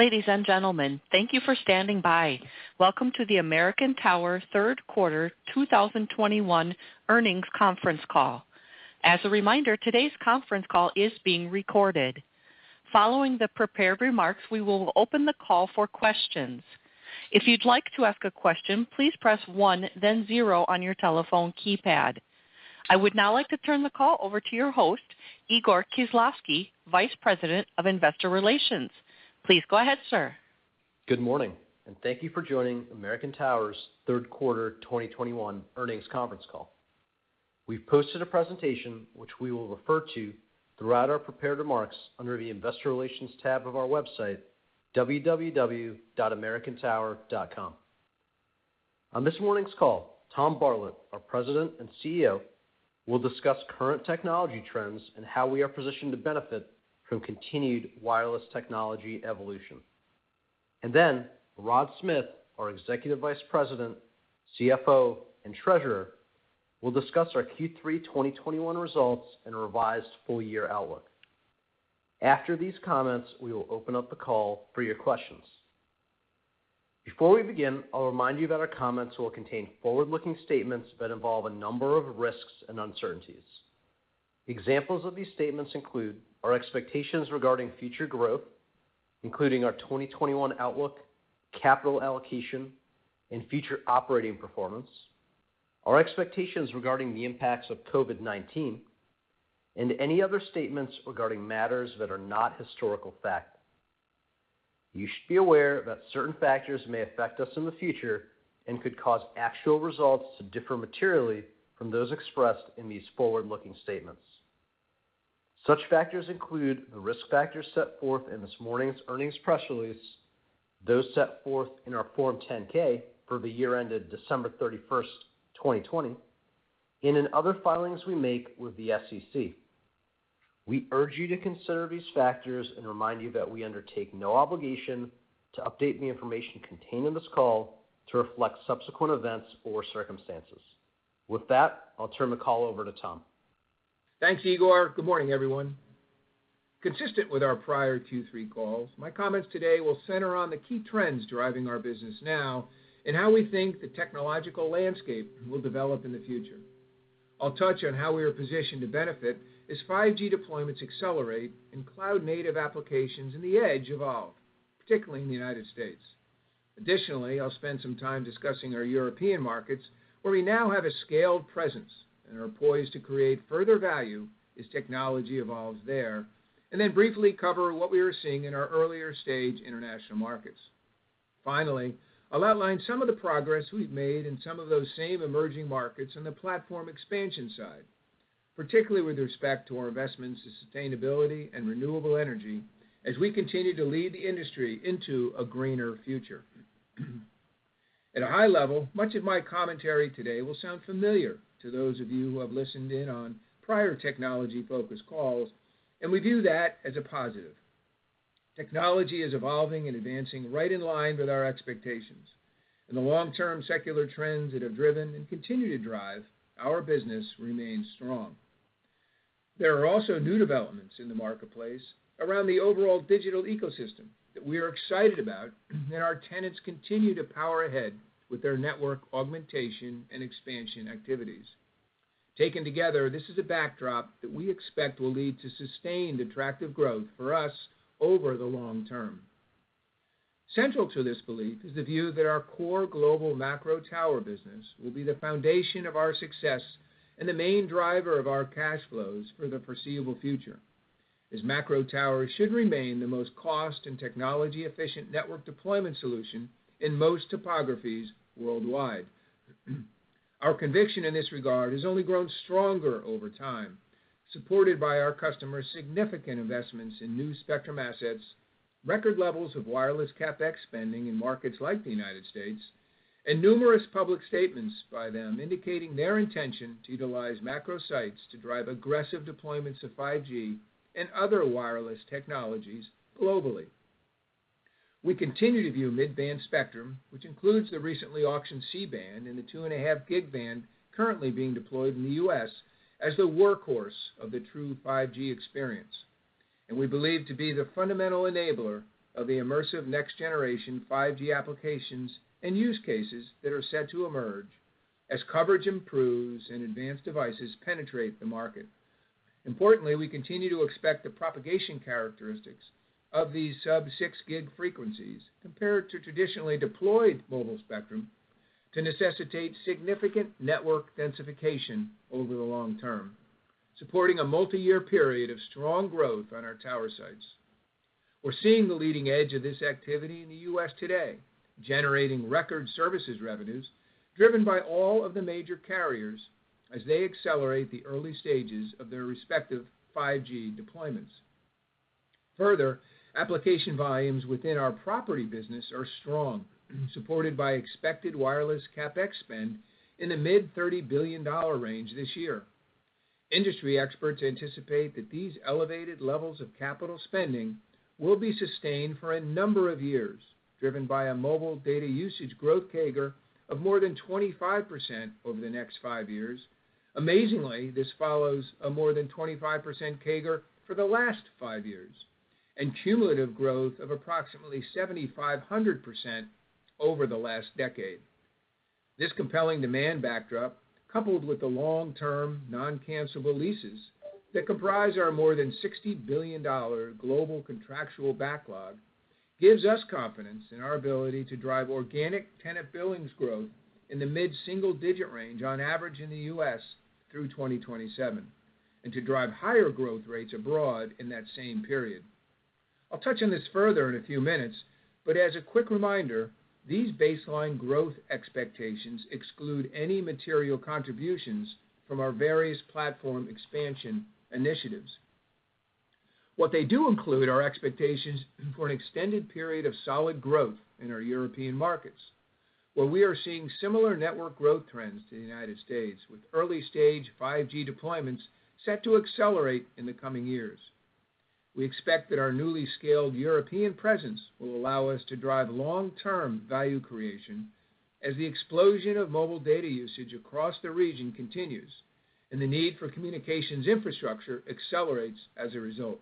Ladies and gentlemen, thank you for standing by. Welcome to the American Tower third quarter 2021 earnings conference call. As a reminder, today's conference call is being recorded. Following the prepared remarks, we will open the call for questions. If you'd like to ask a question, please Press one, then zero on your telephone keypad. I would now like to turn the call over to your host, Igor Khislavsky, Vice President of Investor Relations. Please go ahead, sir. Good morning, and thank you for joining American Tower's Q3 2021 earnings conference call. We've posted a presentation, which we will refer to throughout our prepared remarks under the Investor Relations tab of our website, www.americantower.com. On this morning's call, Tom Bartlett, our President and CEO, will discuss current technology trends and how we are positioned to benefit from continued wireless technology evolution. Rod Smith, our Executive Vice President, CFO and Treasurer, will discuss our Q3 2021 results and revised full year outlook. After these comments, we will open up the call for your questions. Before we begin, I'll remind you that our comments will contain forward-looking statements that involve a number of risks and uncertainties. Examples of these statements include our expectations regarding future growth, including our 2021 outlook, capital allocation and future operating performance, our expectations regarding the impacts of COVID-19, and any other statements regarding matters that are not historical fact. You should be aware that certain factors may affect us in the future and could cause actual results to differ materially from those expressed in these forward-looking statements. Such factors include the risk factors set forth in this morning's earnings press release, those set forth in our Form 10-K for the year ended 31st December 2020, and in other filings we make with the SEC. We urge you to consider these factors and remind you that we undertake no obligation to update the information contained in this call to reflect subsequent events or circumstances. With that, I'll turn the call over to Tom. Thanks, Igor. Good morning, everyone. Consistent with our prior Q3 calls, my comments today will center on the key trends driving our business now and how we think the technological landscape will develop in the future. I'll touch on how we are positioned to benefit as 5G deployments accelerate and cloud-native applications in the edge evolve, particularly in the United States. Additionally, I'll spend some time discussing our European markets, where we now have a scaled presence and are poised to create further value as technology evolves there, and then briefly cover what we are seeing in our earlier stage international markets. Finally, I'll outline some of the progress we've made in some of those same emerging markets on the platform expansion side, particularly with respect to our investments in sustainability and renewable energy as we continue to lead the industry into a greener future. At a high level, much of my commentary today will sound familiar to those of you who have listened in on prior technology-focused calls, and we view that as a positive. Technology is evolving and advancing right in line with our expectations, and the long-term secular trends that have driven and continue to drive our business remain strong. There are also new developments in the marketplace around the overall digital ecosystem that we are excited about and our tenants continue to power ahead with their network augmentation and expansion activities. Taken together, this is a backdrop that we expect will lead to sustained attractive growth for us over the long term. Central to this belief is the view that our core global macro tower business will be the foundation of our success and the main driver of our cash flows for the foreseeable future, as macro towers should remain the most cost and technology efficient network deployment solution in most topographies worldwide. Our conviction in this regard has only grown stronger over time, supported by our customers' significant investments in new spectrum assets, record levels of wireless CapEx spending in markets like the United States, and numerous public statements by them indicating their intention to utilize macro sites to drive aggressive deployments of 5G and other wireless technologies globally. We continue to view mid-band spectrum, which includes the recently auctioned C-band and the 2.5 gig band currently being deployed in the U.S. as the workhorse of the true 5G experience. We believe to be the fundamental enabler of the immersive next generation 5G applications and use cases that are set to emerge as coverage improves and advanced devices penetrate the market. Importantly, we continue to expect the propagation characteristics of these sub-6 GHz frequencies compared to traditionally deployed mobile spectrum to necessitate significant network densification over the long term, supporting a multi-year period of strong growth on our tower sites. We're seeing the leading edge of this activity in the U.S. today, generating record services revenues driven by all of the major carriers as they accelerate the early stages of their respective 5G deployments. Further, application volumes within our property business are strong, supported by expected wireless CapEx spend in the mid-$30 billion range this year. Industry experts anticipate that these elevated levels of capital spending will be sustained for a number of years, driven by a mobile data usage growth CAGR of more than 25% over the next five years. Amazingly, this follows a more than 25% CAGR for the last five years and cumulative growth of approximately 7,500% over the last decade. This compelling demand backdrop, coupled with the long-term non-cancelable leases that comprise our more than $60 billion global contractual backlog, gives us confidence in our ability to drive Organic Tenant Billings Growth in the mid-single-digit range on average in the U.S. through 2027, and to drive higher growth rates abroad in that same period. I'll touch on this further in a few minutes, but as a quick reminder, these baseline growth expectations exclude any material contributions from our various platform expansion initiatives. What they do include are expectations for an extended period of solid growth in our European markets, where we are seeing similar network growth trends to the United States, with early-stage 5G deployments set to accelerate in the coming years. We expect that our newly scaled European presence will allow us to drive long-term value creation as the explosion of mobile data usage across the region continues and the need for communications infrastructure accelerates as a result.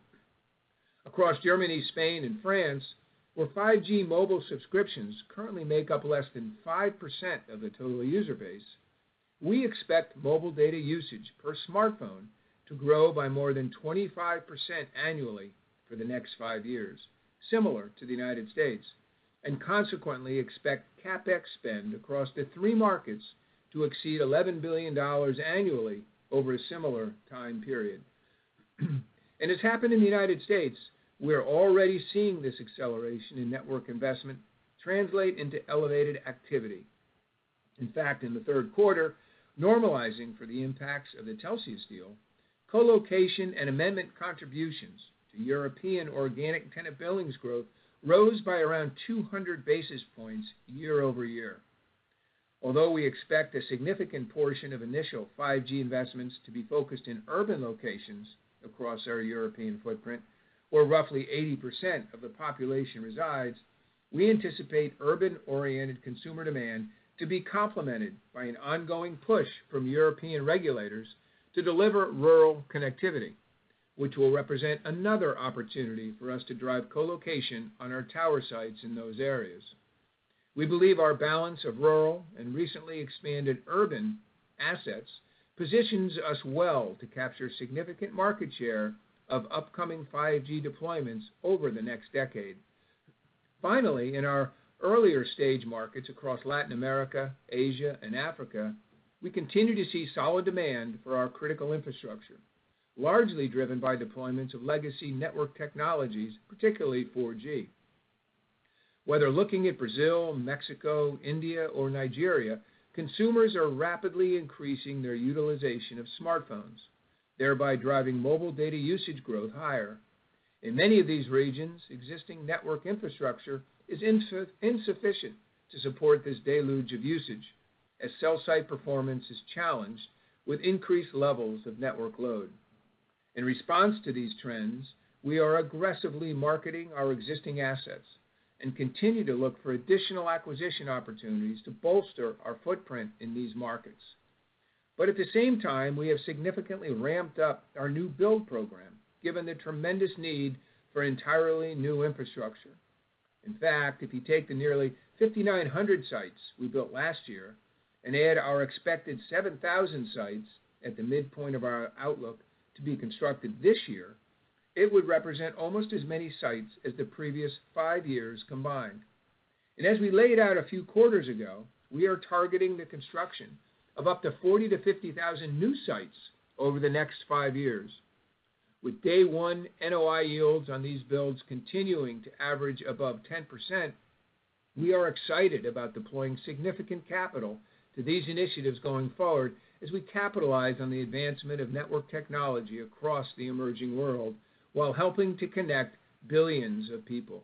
Across Germany, Spain, and France, where 5G mobile subscriptions currently make up less than 5% of the total user base, we expect mobile data usage per smartphone to grow by more than 25% annually for the next five years, similar to the United States, and consequently expect CapEx spend across the three markets to exceed $11 billion annually over a similar time period. It's happened in the United States. We are already seeing this acceleration in network investment translate into elevated activity. In fact, in the third quarter, normalizing for the impacts of the Telxius deal, co-location and amendment contributions to European organic tenant billings growth rose by around 200 basis points year-over-year. Although we expect a significant portion of initial 5G investments to be focused in urban locations across our European footprint, where roughly 80% of the population resides, we anticipate urban-oriented consumer demand to be complemented by an ongoing push from European regulators to deliver rural connectivity, which will represent another opportunity for us to drive co-location on our tower sites in those areas. We believe our balance of rural and recently expanded urban assets positions us well to capture significant market share of upcoming 5G deployments over the next decade. Finally, in our earlier stage markets across Latin America, Asia, and Africa, we continue to see solid demand for our critical infrastructure, largely driven by deployments of legacy network technologies, particularly 4G. Whether looking at Brazil, Mexico, India, or Nigeria, consumers are rapidly increasing their utilization of smartphones, thereby driving mobile data usage growth higher. In many of these regions, existing network infrastructure is insufficient to support this deluge of usage as cell site performance is challenged with increased levels of network load. In response to these trends, we are aggressively marketing our existing assets and continue to look for additional acquisition opportunities to bolster our footprint in these markets. At the same time, we have significantly ramped up our new build program, given the tremendous need for entirely new infrastructure. In fact, if you take the nearly 5,900 sites we built last year and add our expected 7,000 sites at the midpoint of our outlook to be constructed this year, it would represent almost as many sites as the previous five years combined. As we laid out a few quarters ago, we are targeting the construction of up to 40,000-50,000 new sites over the next five years. With day one NOI yields on these builds continuing to average above 10%, we are excited about deploying significant capital to these initiatives going forward as we capitalize on the advancement of network technology across the emerging world while helping to connect billions of people.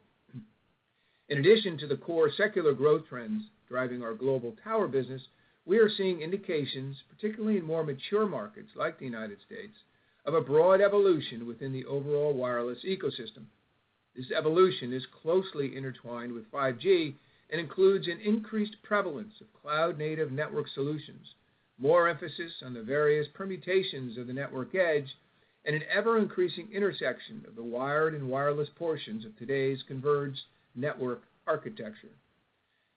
In addition to the core secular growth trends driving our global tower business, we are seeing indications, particularly in more mature markets like the United States, of a broad evolution within the overall wireless ecosystem. This evolution is closely intertwined with 5G and includes an increased prevalence of cloud-native network solutions, more emphasis on the various permutations of the network edge, and an ever-increasing intersection of the wired and wireless portions of today's converged network architecture.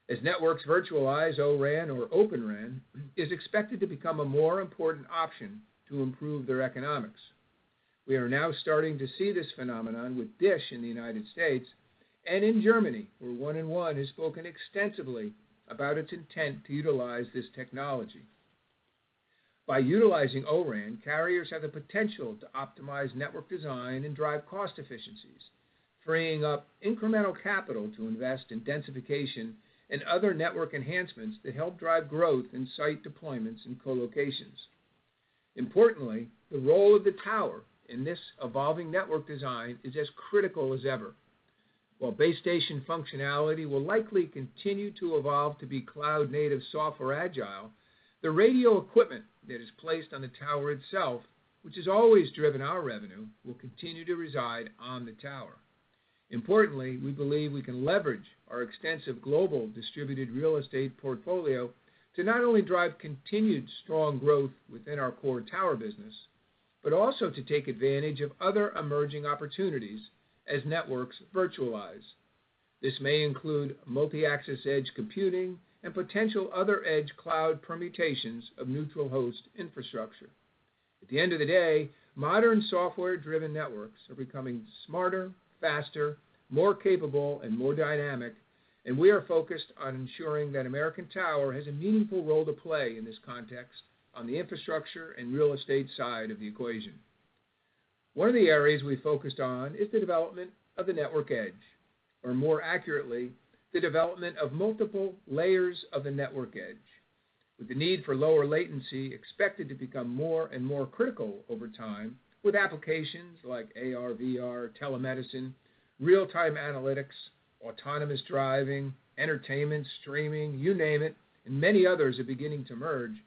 As networks virtualize, O-RAN or Open RAN is expected to become a more important option to improve their economics. We are now starting to see this phenomenon with DISH in the United States and in Germany, where 1&1 has spoken extensively about its intent to utilize this technology. By utilizing O-RAN, carriers have the potential to optimize network design and drive cost efficiencies, freeing up incremental capital to invest in densification and other network enhancements that help drive growth in site deployments and co-locations. Importantly, the role of the tower in this evolving network design is as critical as ever. While base station functionality will likely continue to evolve to be cloud-native software agile, the radio equipment that is placed on the tower itself, which has always driven our revenue, will continue to reside on the tower. Importantly, we believe we can leverage our extensive global distributed real estate portfolio to not only drive continued strong growth within our core tower business, but also to take advantage of other emerging opportunities as networks virtualize. This may include multi-access edge computing and potential other edge cloud permutations of neutral host infrastructure. At the end of the day, modern software-driven networks are becoming smarter, faster, more capable and more dynamic, and we are focused on ensuring that American Tower has a meaningful role to play in this context on the infrastructure and real estate side of the equation. One of the areas we focused on is the development of the network edge, or more accurately, the development of multiple layers of the network edge. With the need for lower latency expected to become more and more critical over time, with applications like AR, VR, telemedicine, real-time analytics, autonomous driving, entertainment, streaming, you name it, and many others are beginning to merge,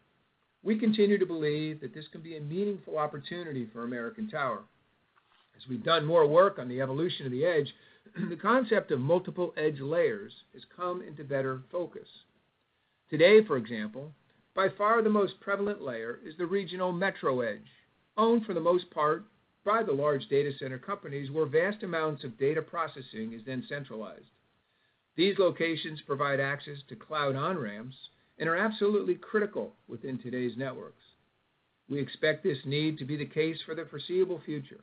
we continue to believe that this could be a meaningful opportunity for American Tower. As we've done more work on the evolution of the edge, the concept of multiple edge layers has come into better focus. Today, for example, by far the most prevalent layer is the regional metro edge, owned for the most part by the large data center companies where vast amounts of data processing is then centralized. These locations provide access to cloud on-ramps and are absolutely critical within today's networks. We expect this need to be the case for the foreseeable future.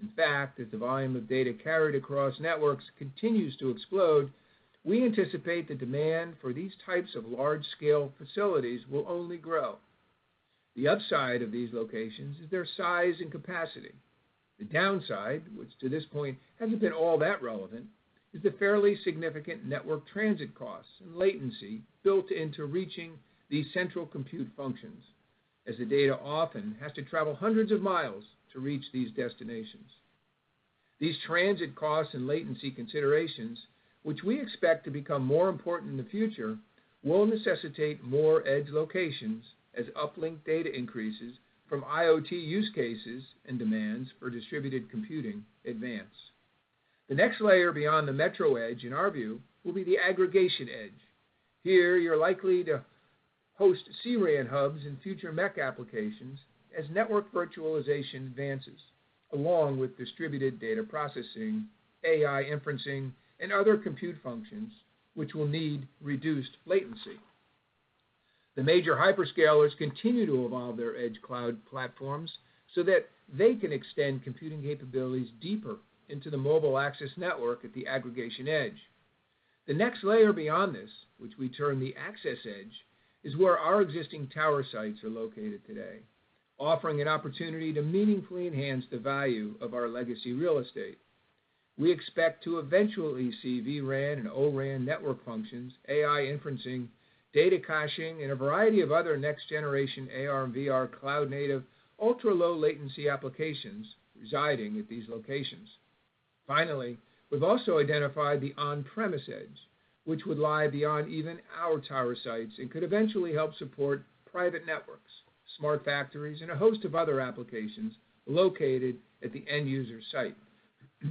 In fact, as the volume of data carried across networks continues to explode, we anticipate the demand for these types of large-scale facilities will only grow. The upside of these locations is their size and capacity. The downside, which to this point hasn't been all that relevant, is the fairly significant network transit costs and latency built into reaching these central compute functions, as the data often has to travel hundreds of miles to reach these destinations. These transit costs and latency considerations, which we expect to become more important in the future, will necessitate more edge locations as uplink data increases from IoT use cases and demands for distributed computing advance. The next layer beyond the metro edge, in our view, will be the aggregation edge. Here, you're likely to host CRAN hubs and future MEC applications as network virtualization advances, along with distributed data processing, AI inferencing, and other compute functions which will need reduced latency. The major hyperscalers continue to evolve their edge cloud platforms so that they can extend computing capabilities deeper into the mobile access network at the aggregation edge. The next layer beyond this, which we term the access edge, is where our existing tower sites are located today, offering an opportunity to meaningfully enhance the value of our legacy real estate. We expect to eventually see vRAN and O-RAN network functions, AI inferencing, data caching, and a variety of other next-generation AR and VR cloud-native ultra-low latency applications residing at these locations. Finally, we've also identified the on-premises edge, which would lie beyond even our tower sites and could eventually help support private networks, smart factories, and a host of other applications located at the end-user site. At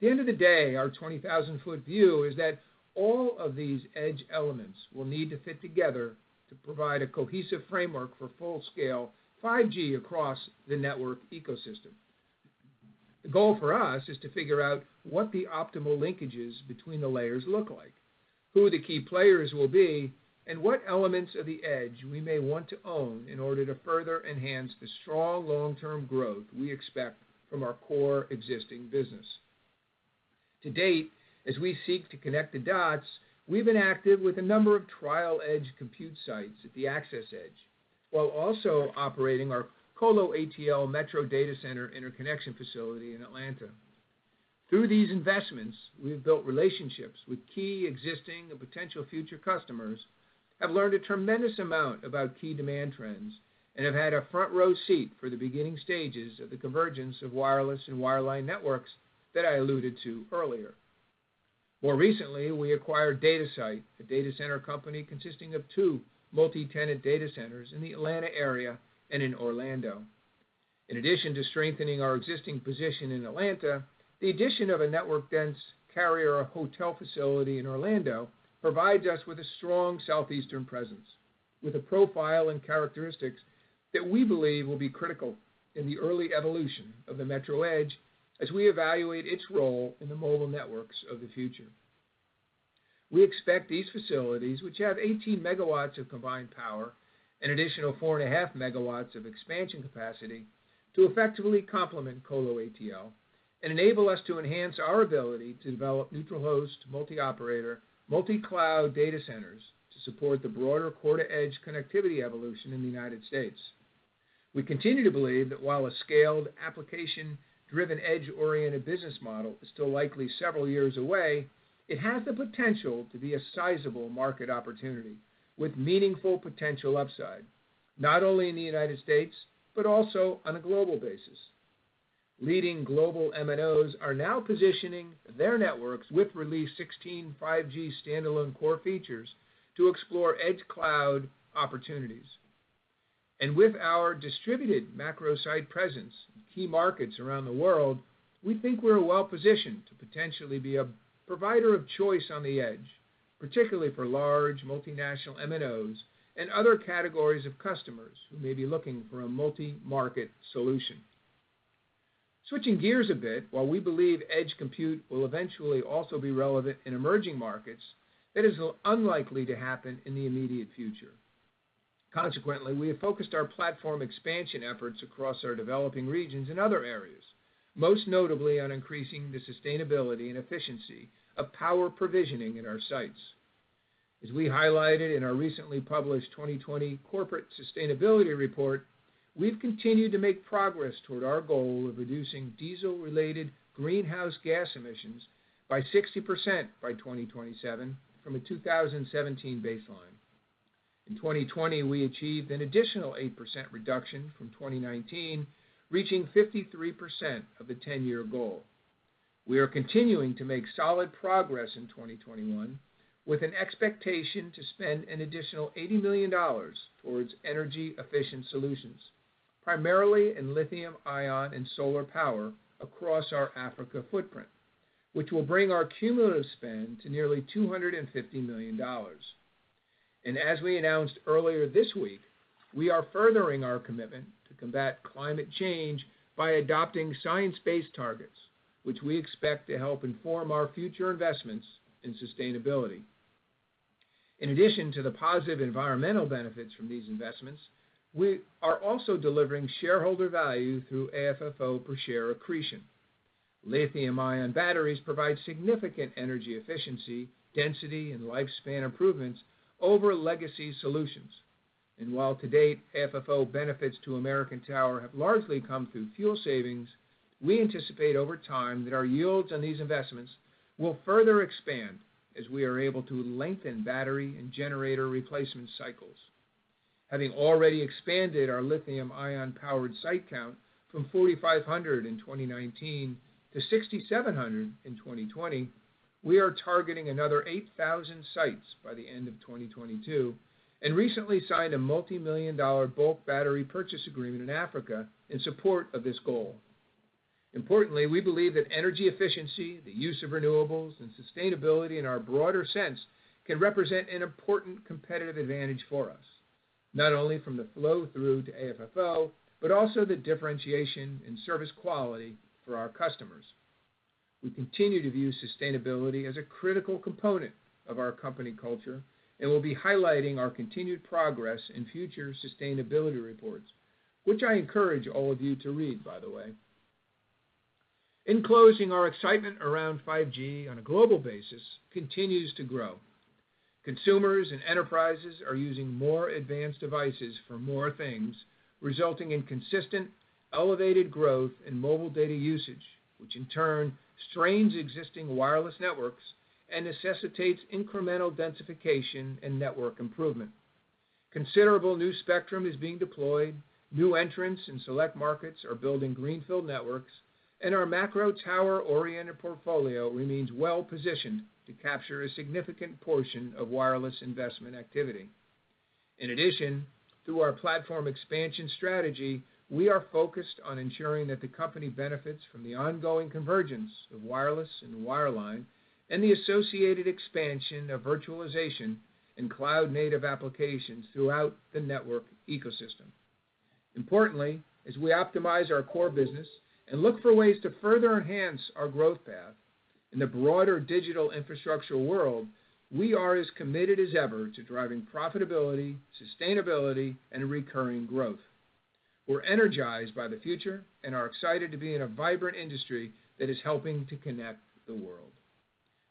the end of the day, our 20,000-foot view is that all of these edge elements will need to fit together to provide a cohesive framework for full-scale 5G across the network ecosystem. The goal for us is to figure out what the optimal linkages between the layers look like, who the key players will be, and what elements of the edge we may want to own in order to further enhance the strong long-term growth we expect from our core existing business. To date, as we seek to connect the dots, we've been active with a number of trial edge compute sites at the access edge, while also operating our ColoATL Metro Data Center interconnection facility in Atlanta. Through these investments, we've built relationships with key existing and potential future customers, have learned a tremendous amount about key demand trends, and have had a front-row seat for the beginning stages of the convergence of wireless and wireline networks that I alluded to earlier. More recently, we acquired DataSite, a data center company consisting of two multi-tenant data centers in the Atlanta area and in Orlando. In addition to strengthening our existing position in Atlanta, the addition of a network-dense carrier hotel facility in Orlando provides us with a strong southeastern presence, with a profile and characteristics that we believe will be critical in the early evolution of the Metro Edge as we evaluate its role in the mobile networks of the future. We expect these facilities, which have 18 MW of combined power, an additional 4.5 MW of expansion capacity, to effectively complement ColoATL and enable us to enhance our ability to develop neutral host, multi-operator, multi-cloud data centers to support the broader core-to-edge connectivity evolution in the United States. We continue to believe that while a scaled, application-driven, edge-oriented business model is still likely several years away, it has the potential to be a sizable market opportunity with meaningful potential upside, not only in the United States, but also on a global basis. Leading global MNOs are now positioning their networks with Release 16 5G standalone core features to explore edge cloud opportunities. With our distributed macro site presence in key markets around the world, we think we're well-positioned to potentially be a provider of choice on the edge, particularly for large multinational MNOs and other categories of customers who may be looking for a multi-market solution. Switching gears a bit, while we believe edge compute will eventually also be relevant in emerging markets, that is unlikely to happen in the immediate future. Consequently, we have focused our platform expansion efforts across our developing regions in other areas, most notably on increasing the sustainability and efficiency of power provisioning in our sites. As we highlighted in our recently published 2020 Corporate Sustainability Report, we've continued to make progress toward our goal of reducing diesel-related greenhouse gas emissions by 60% by 2027 from a 2017 baseline. In 2020, we achieved an additional 8% reduction from 2019, reaching 53% of the ten-year goal. We are continuing to make solid progress in 2021, with an expectation to spend an additional $80 million towards energy-efficient solutions, primarily in lithium-ion and solar power across our Africa footprint, which will bring our cumulative spend to nearly $250 million. As we announced earlier this week, we are furthering our commitment to combat climate change by adopting science-based targets, which we expect to help inform our future investments in sustainability. In addition to the positive environmental benefits from these investments, we are also delivering shareholder value through AFFO per share accretion. Lithium-ion batteries provide significant energy efficiency, density, and lifespan improvements over legacy solutions. While to date, FFO benefits to American Tower have largely come through fuel savings, we anticipate over time that our yields on these investments will further expand as we are able to lengthen battery and generator replacement cycles. Having already expanded our lithium-ion powered site count from 4,500 in 2019 to 6,700 in 2020, we are targeting another 8,000 sites by the end of 2022, and recently signed a multi-million bulk dollars battery purchase agreement in Africa in support of this goal. Importantly, we believe that energy efficiency, the use of renewables, and sustainability in our broader sense can represent an important competitive advantage for us, not only from the flow through to AFFO, but also the differentiation in service quality for our customers. We continue to view sustainability as a critical component of our company culture and will be highlighting our continued progress in future sustainability reports, which I encourage all of you to read, by the way. In closing, our excitement around 5G on a global basis continues to grow. Consumers and enterprises are using more advanced devices for more things, resulting in consistent elevated growth in mobile data usage, which in turn strains existing wireless networks and necessitates incremental densification and network improvement. Considerable new spectrum is being deployed, new entrants in select markets are building greenfield networks, and our macro tower-oriented portfolio remains well positioned to capture a significant portion of wireless investment activity. In addition, through our platform expansion strategy, we are focused on ensuring that the company benefits from the ongoing convergence of wireless and wireline and the associated expansion of virtualization in cloud-native applications throughout the network ecosystem. Importantly, as we optimize our core business and look for ways to further enhance our growth path in the broader digital infrastructural world, we are as committed as ever to driving profitability, sustainability, and recurring growth. We're energized by the future and are excited to be in a vibrant industry that is helping to connect the world.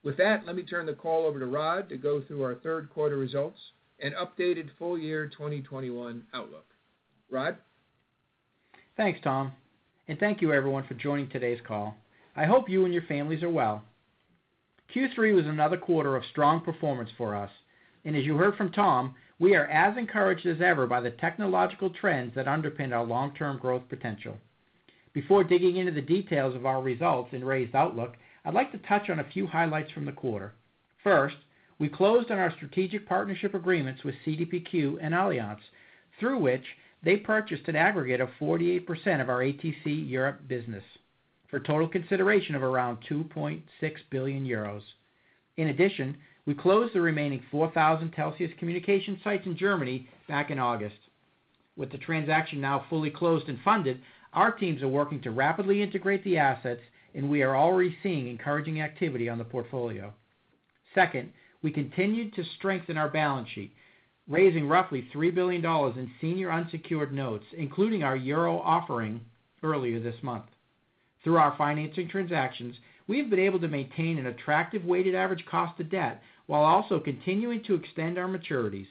With that, let me turn the call over to Rod to go through our third quarter results and updated full year 2021 outlook. Rod? Thanks, Tom. Thank you everyone for joining today's call. I hope you and your families are well. Q3 was another quarter of strong performance for us. As you heard from Tom, we are as encouraged as ever by the technological trends that underpin our long-term growth potential. Before digging into the details of our results and raised outlook, I'd like to touch on a few highlights from the quarter. First, we closed on our strategic partnership agreements with CDPQ and Allianz, through which they purchased an aggregate of 48% of our ATC Europe business for a total consideration of around 2.6 billion euros. In addition, we closed the remaining 4,000 cell sites in Germany back in August. With the transaction now fully closed and funded, our teams are working to rapidly integrate the assets, and we are already seeing encouraging activity on the portfolio. Second, we continued to strengthen our balance sheet, raising roughly $3 billion in senior unsecured notes, including our euro offering earlier this month. Through our financing transactions, we have been able to maintain an attractive weighted average cost of debt while also continuing to extend our maturities.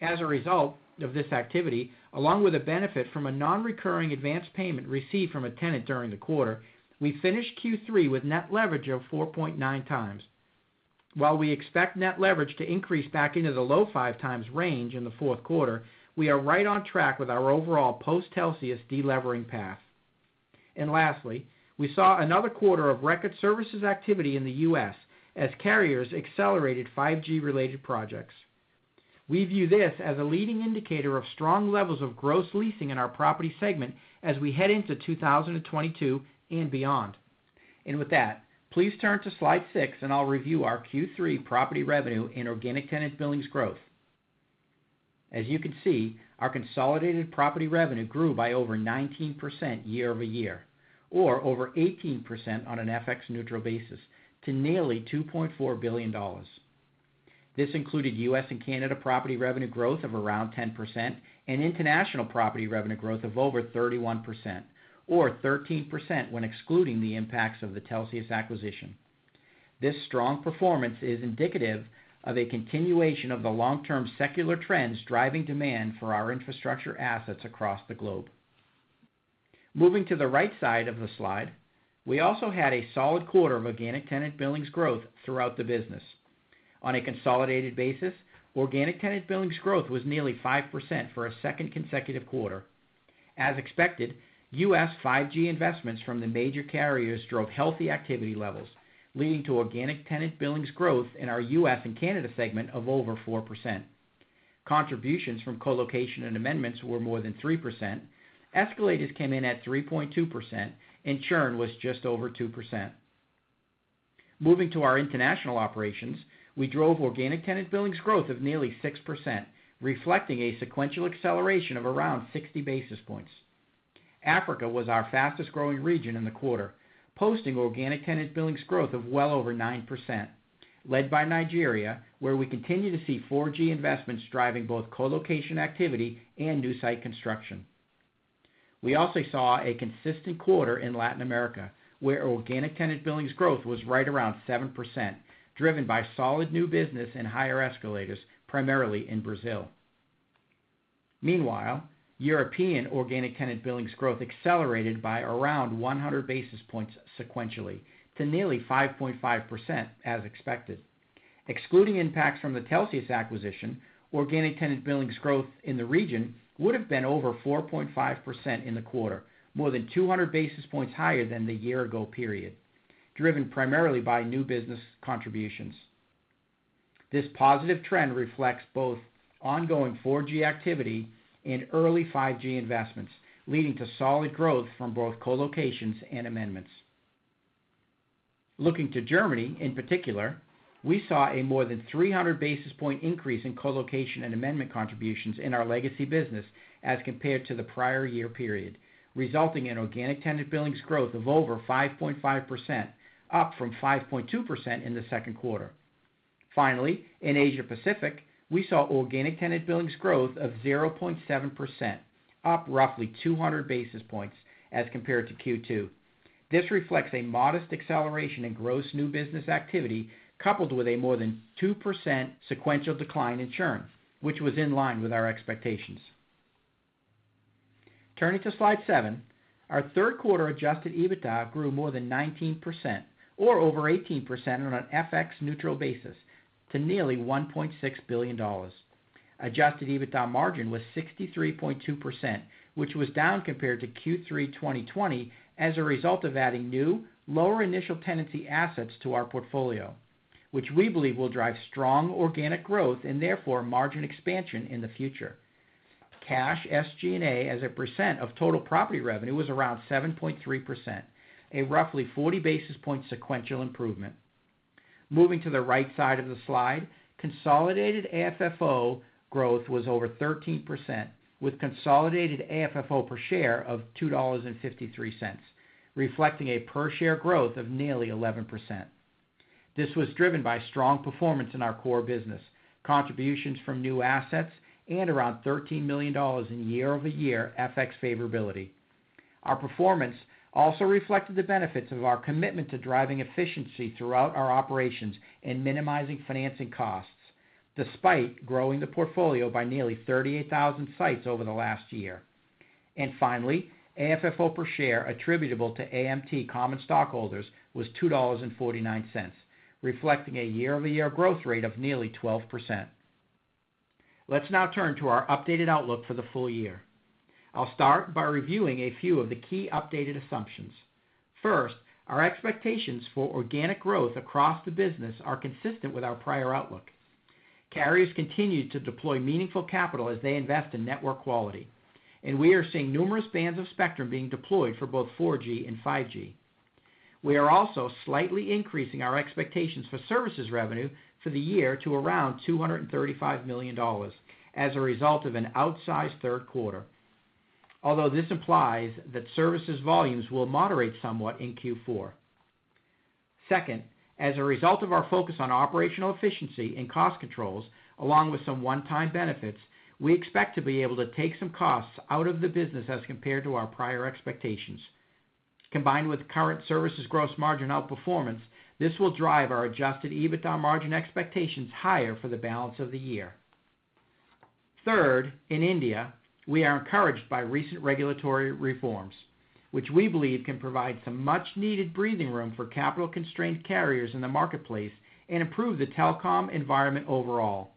As a result of this activity, along with a benefit from a non-recurring advanced payment received from a tenant during the quarter, we finished Q3 with net leverage of 4.9x. While we expect net leverage to increase back into the low 5x range in the fourth quarter, we are right on track with our overall post-Celsius delevering path. Lastly, we saw another quarter of record services activity in the U.S. as carriers accelerated 5G related projects. We view this as a leading indicator of strong levels of gross leasing in our Property segment as we head into 2022 and beyond. With that, please turn to slide 6 and I'll review our Q3 Property revenue and Organic Tenant Billings Growth. As you can see, our consolidated Property revenue grew by over 19% year-over-year or over 18% on an FX neutral basis to nearly $2.4 billion. This included U.S. and Canada property revenue growth of around 10% and international property revenue growth of over 31% or 13% when excluding the impacts of the Telxius acquisition. This strong performance is indicative of a continuation of the long-term secular trends driving demand for our infrastructure assets across the globe. Moving to the right side of the slide, we also had a solid quarter of Organic Tenant Billings Growth throughout the business. On a consolidated basis, Organic Tenant Billings Growth was nearly 5% for a second consecutive quarter. As expected, U.S. 5G investments from the major carriers drove healthy activity levels, leading to Organic Tenant Billings Growth in our U.S. and Canada segment of over 4%. Contributions from colocation and amendments were more than 3%. Escalators came in at 3.2% and churn was just over 2%. Moving to our international operations, we drove Organic Tenant Billings Growth of nearly 6%, reflecting a sequential acceleration of around 60 basis points. Africa was our fastest-growing region in the quarter, posting Organic Tenant Billings Growth of well over 9%, led by Nigeria, where we continue to see 4G investments driving both colocation activity and new site construction. We also saw a consistent quarter in Latin America, where Organic Tenant Billings Growth was right around 7%, driven by solid new business and higher escalators, primarily in Brazil. Meanwhile, European Organic Tenant Billings Growth accelerated by around 100 basis points sequentially to nearly 5.5% as expected. Excluding impacts from the Telxius acquisition, Organic Tenant Billings Growth in the region would have been over 4.5% in the quarter, more than 200 basis points higher than the year ago period, driven primarily by new business contributions. This positive trend reflects both ongoing 4G activity and early 5G investments, leading to solid growth from both colocations and amendments. Looking to Germany in particular, we saw a more than 300 basis point increase in colocation and amendment contributions in our legacy business as compared to the prior year period, resulting in Organic Tenant Billings Growth of over 5.5%, up from 5.2% in the second quarter. Finally, in Asia Pacific, we saw Organic Tenant Billings Growth of 0.7%, up roughly 200 basis points as compared to Q2. This reflects a modest acceleration in gross new business activity, coupled with a more than 2% sequential decline in churn, which was in line with our expectations. Turning to slide 7, our third quarter adjusted EBITDA grew more than 19% or over 18% on an FX neutral basis to nearly $1.6 billion. Adjusted EBITDA margin was 63.2%, which was down compared to Q3 2020 as a result of adding new lower initial tenancy assets to our portfolio, which we believe will drive strong organic growth and therefore margin expansion in the future. Cash SG&A as a percent of total property revenue was around 7.3%, a roughly 40 basis points sequential improvement. Moving to the right side of the slide, consolidated AFFO growth was over 13%, with consolidated AFFO per share of $2.53, reflecting a per share growth of nearly 11%. This was driven by strong performance in our core business, contributions from new assets and around $13 million in year-over-year FX favorability. Our performance also reflected the benefits of our commitment to driving efficiency throughout our operations and minimizing financing costs despite growing the portfolio by nearly 38,000 sites over the last year. Finally, AFFO per share attributable to AMT common stockholders was $2.49, reflecting a year-over-year growth rate of nearly 12%. Let's now turn to our updated outlook for the full year. I'll start by reviewing a few of the key updated assumptions. First, our expectations for organic growth across the business are consistent with our prior outlook. Carriers continue to deploy meaningful capital as they invest in network quality, and we are seeing numerous bands of spectrum being deployed for both 4G and 5G. We are also slightly increasing our expectations for services revenue for the year to around $235 million as a result of an outsized third quarter, although this implies that services volumes will moderate somewhat in Q4. Second, as a result of our focus on operational efficiency and cost controls along with some one-time benefits, we expect to be able to take some costs out of the business as compared to our prior expectations. Combined with current services gross margin outperformance, this will drive our adjusted EBITDA margin expectations higher for the balance of the year. Third, in India, we are encouraged by recent regulatory reforms, which we believe can provide some much needed breathing room for capital constrained carriers in the marketplace and improve the telecom environment overall.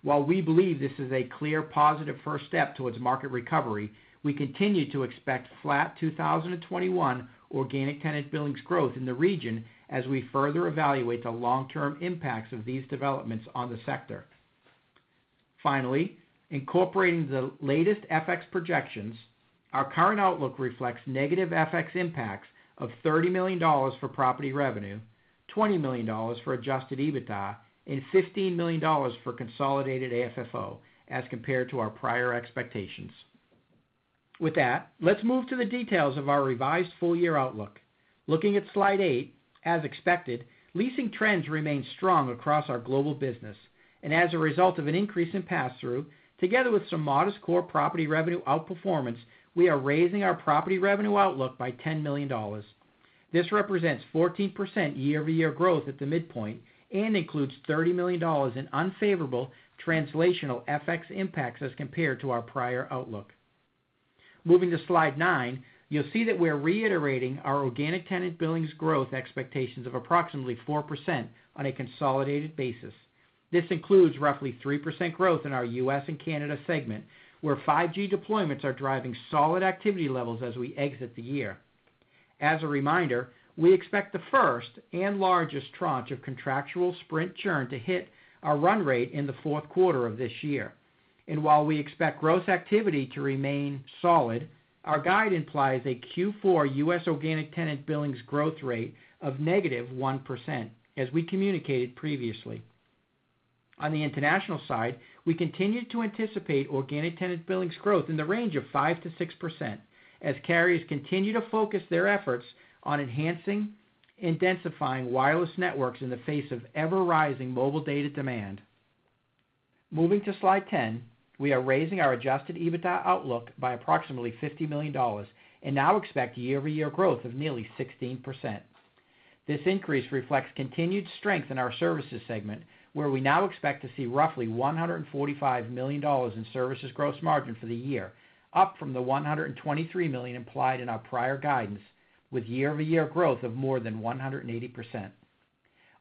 While we believe this is a clear positive first step towards market recovery, we continue to expect flat 2021 organic tenant billings growth in the region as we further evaluate the long-term impacts of these developments on the sector. Finally, incorporating the latest FX projections, our current outlook reflects negative FX impacts of $30 million for property revenue, $20 million for adjusted EBITDA, and $15 million for consolidated AFFO as compared to our prior expectations. With that, let's move to the details of our revised full year outlook. Looking at slide 8, as expected, leasing trends remain strong across our global business. As a result of an increase in pass-through, together with some modest core property revenue outperformance, we are raising our property revenue outlook by $10 million. This represents 14% year-over-year growth at the midpoint and includes $30 million in unfavorable translational FX impacts as compared to our prior outlook. Moving to slide nine, you'll see that we're reiterating our organic tenant billings growth expectations of approximately 4% on a consolidated basis. This includes roughly 3% growth in our U.S. and Canada segment, where 5G deployments are driving solid activity levels as we exit the year. As a reminder, we expect the first and largest tranche of contractual Sprint churn to hit our run rate in the fourth quarter of this year. While we expect gross activity to remain solid, our guide implies a Q4 U.S. Organic Tenant Billings Growth rate of -1%, as we communicated previously. On the international side, we continue to anticipate Organic Tenant Billings Growth in the range of 5%-6% as carriers continue to focus their efforts on enhancing and densifying wireless networks in the face of ever-rising mobile data demand. Moving to slide 10, we are raising our adjusted EBITDA outlook by approximately $50 million and now expect year-over-year growth of nearly 16%. This increase reflects continued strength in our services segment, where we now expect to see roughly $145 million in services gross margin for the year, up from the $123 million implied in our prior guidance, with year-over-year growth of more than 180%.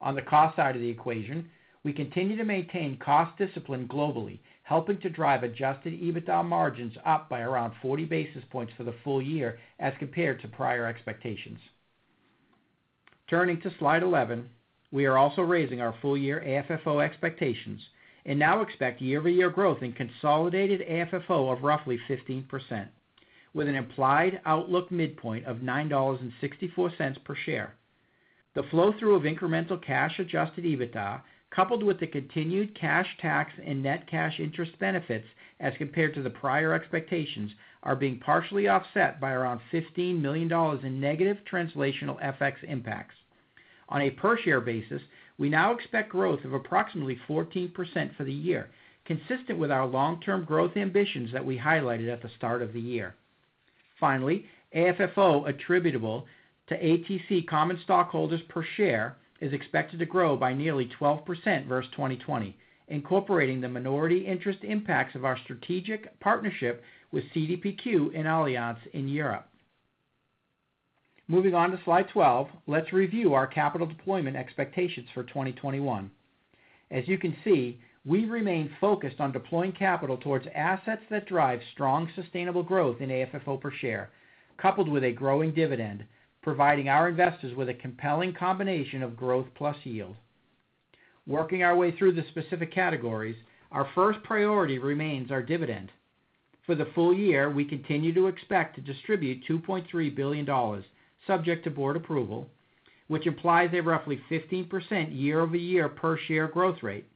On the cost side of the equation, we continue to maintain cost discipline globally, helping to drive adjusted EBITDA margins up by around 40 basis points for the full year as compared to prior expectations. Turning to slide 11, we are also raising our full year AFFO expectations and now expect year-over-year growth in consolidated AFFO of roughly 15%, with an implied outlook midpoint of $9.64 per share. The flow-through of incremental cash adjusted EBITDA, coupled with the continued cash tax and net cash interest benefits as compared to the prior expectations, are being partially offset by around $15 million in negative translational FX impacts. On a per-share basis, we now expect growth of approximately 14% for the year, consistent with our long-term growth ambitions that we highlighted at the start of the year. Finally, AFFO attributable to ATC common stockholders per share is expected to grow by nearly 12% versus 2020, incorporating the minority interest impacts of our strategic partnership with CDPQ and Allianz in Europe. Moving on to slide 12, let's review our capital deployment expectations for 2021. As you can see, we remain focused on deploying capital towards assets that drive strong, sustainable growth in AFFO per share, coupled with a growing dividend, providing our investors with a compelling combination of growth plus yield. Working our way through the specific categories, our first priority remains our dividend. For the full year, we continue to expect to distribute $2.3 billion subject to board approval, which implies a roughly 15% year-over-year per share growth rate.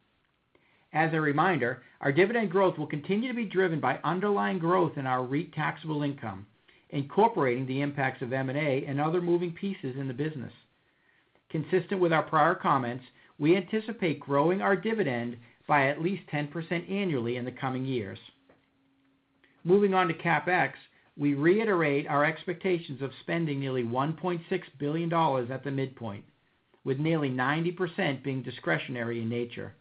As a reminder, our dividend growth will continue to be driven by underlying growth in our REIT taxable income, incorporating the impacts of M&A and other moving pieces in the business. Consistent with our prior comments, we anticipate growing our dividend by at least 10% annually in the coming years. Moving on to CapEx, we reiterate our expectations of spending nearly $1.6 billion at the midpoint, with nearly 90% being discretionary in nature.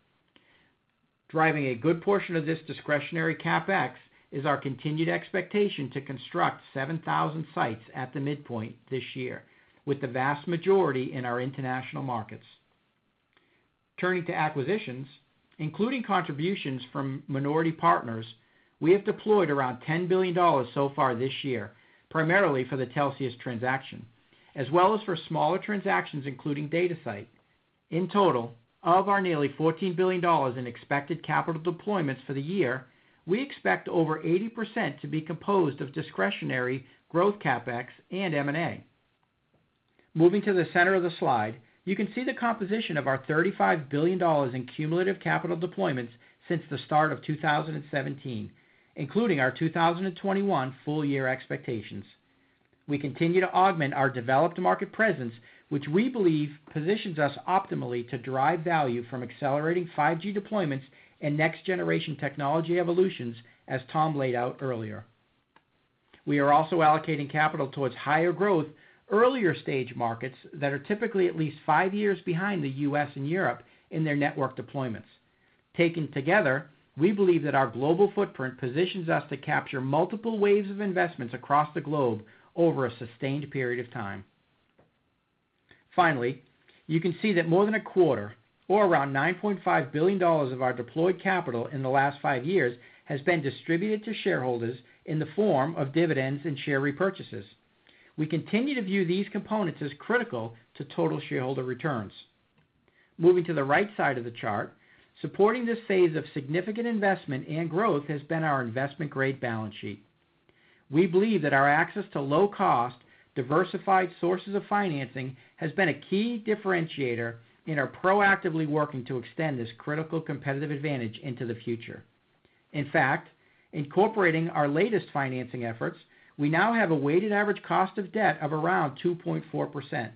Driving a good portion of this discretionary CapEx is our continued expectation to construct 7,000 sites at the midpoint this year, with the vast majority in our international markets. Turning to acquisitions, including contributions from minority partners, we have deployed around $10 billion so far this year, primarily for the Telxius transaction, as well as for smaller transactions, including DataSite. In total, of our nearly $14 billion in expected capital deployments for the year, we expect over 80% to be composed of discretionary growth CapEx and M&A. Moving to the center of the slide, you can see the composition of our $35 billion in cumulative capital deployments since the start of 2017, including our 2021 full year expectations. We continue to augment our developed market presence, which we believe positions us optimally to drive value from accelerating 5G deployments and next generation technology evolutions as Tom laid out earlier. We are also allocating capital towards higher growth, earlier stage markets that are typically at least 5 years behind the U.S. and Europe in their network deployments. Taken together, we believe that our global footprint positions us to capture multiple waves of investments across the globe over a sustained period of time. Finally, you can see that more than a quarter or around $9.5 billion of our deployed capital in the last five years has been distributed to shareholders in the form of dividends and share repurchases. We continue to view these components as critical to total shareholder returns. Moving to the right side of the chart, supporting this phase of significant investment and growth has been our investment-grade balance sheet. We believe that our access to low cost, diversified sources of financing has been a key differentiator and are proactively working to extend this critical competitive advantage into the future. In fact, incorporating our latest financing efforts, we now have a weighted average cost of debt of around 2.4%,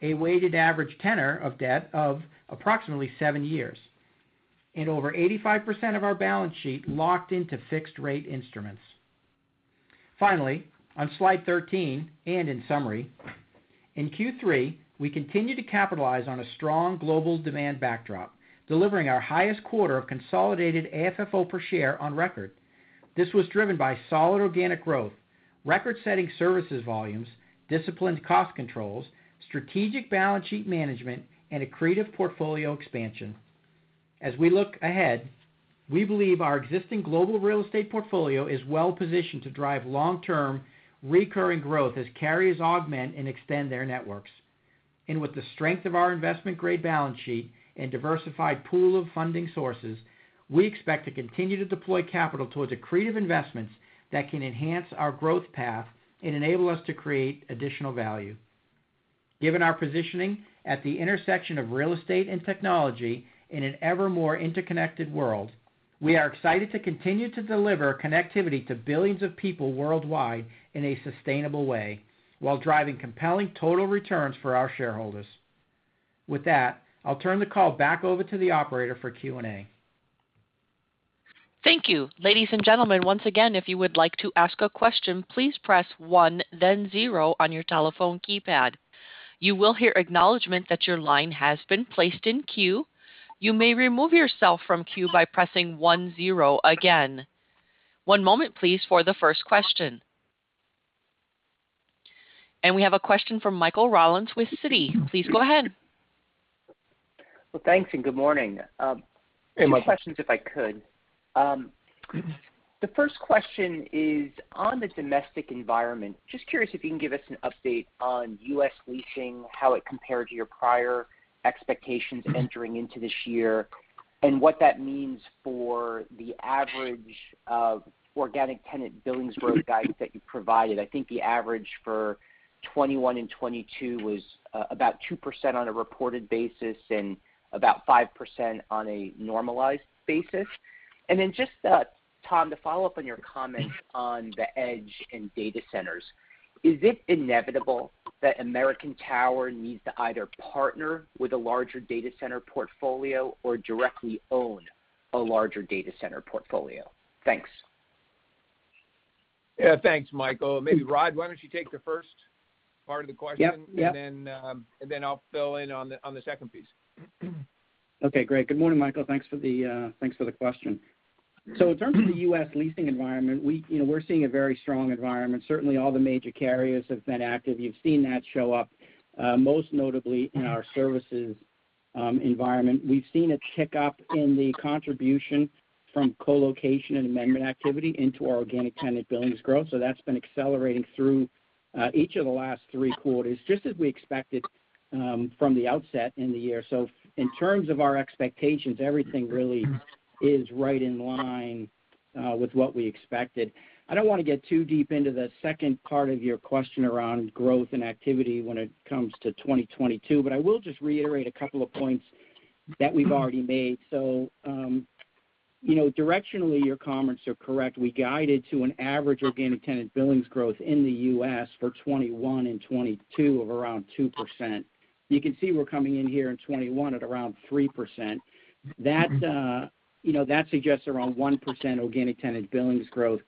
a weighted average tenor of debt of approximately seven years, and over 85% of our balance sheet locked into fixed rate instruments. Finally, on slide 13, and in summary, in Q3, we continued to capitalize on a strong global demand backdrop, delivering our highest quarter of consolidated AFFO per share on record. This was driven by solid organic growth, record-setting services volumes, disciplined cost controls, strategic balance sheet management, and accretive portfolio expansion. As we look ahead, we believe our existing global real estate portfolio is well positioned to drive long-term recurring growth as carriers augment and extend their networks. With the strength of our investment-grade balance sheet and diversified pool of funding sources, we expect to continue to deploy capital towards accretive investments that can enhance our growth path and enable us to create additional value. Given our positioning at the intersection of real estate and technology in an ever more interconnected world, we are excited to continue to deliver connectivity to billions of people worldwide in a sustainable way while driving compelling total returns for our shareholders. With that, I'll turn the call back over to the operator for Q&A. We have a question from Michael Rollins with Citi. Please go ahead. Well, thanks and good morning. Two questions if I could. The first question is on the domestic environment, just curious if you can give us an update on U.S. leasing, how it compared to your prior expectations entering into this year, and what that means for the average of organic tenant billings growth guides that you provided. I think the average for 2021 and 2022 was about 2% on a reported basis and about 5% on a normalized basis. Just, Tom, to follow up on your comments on the edge in data centers, is it inevitable that American Tower needs to either partner with a larger data center portfolio or directly own a larger data center portfolio? Thanks. Yeah. Thanks, Michael. Maybe, Rod, why don't you take the first part of the question. Yep. And then I'll fill in on the second piece. Okay, great. Good morning, Michael. Thanks for the question. In terms of the U.S. leasing environment, we, you know, we're seeing a very strong environment. Certainly, all the major carriers have been active. You've seen that show up most notably in our services environment. We've seen a tick up in the contribution from colocation and amendment activity into our Organic Tenant Billings Growth. That's been accelerating through each of the last three quarters, just as we expected, from the outset in the year. In terms of our expectations, everything really is right in line with what we expected. I don't wanna get too deep into the second part of your question around growth and activity when it comes to 2022, but I will just reiterate a couple of points that we've already made. You know, directionally, your comments are correct. We guided to an average Organic Tenant Billings Growth in the U.S. for 2021 and 2022 of around 2%. You can see we're coming in here in 2021 at around 3%. That, you know, that suggests around 1% Organic Tenant Billings Growth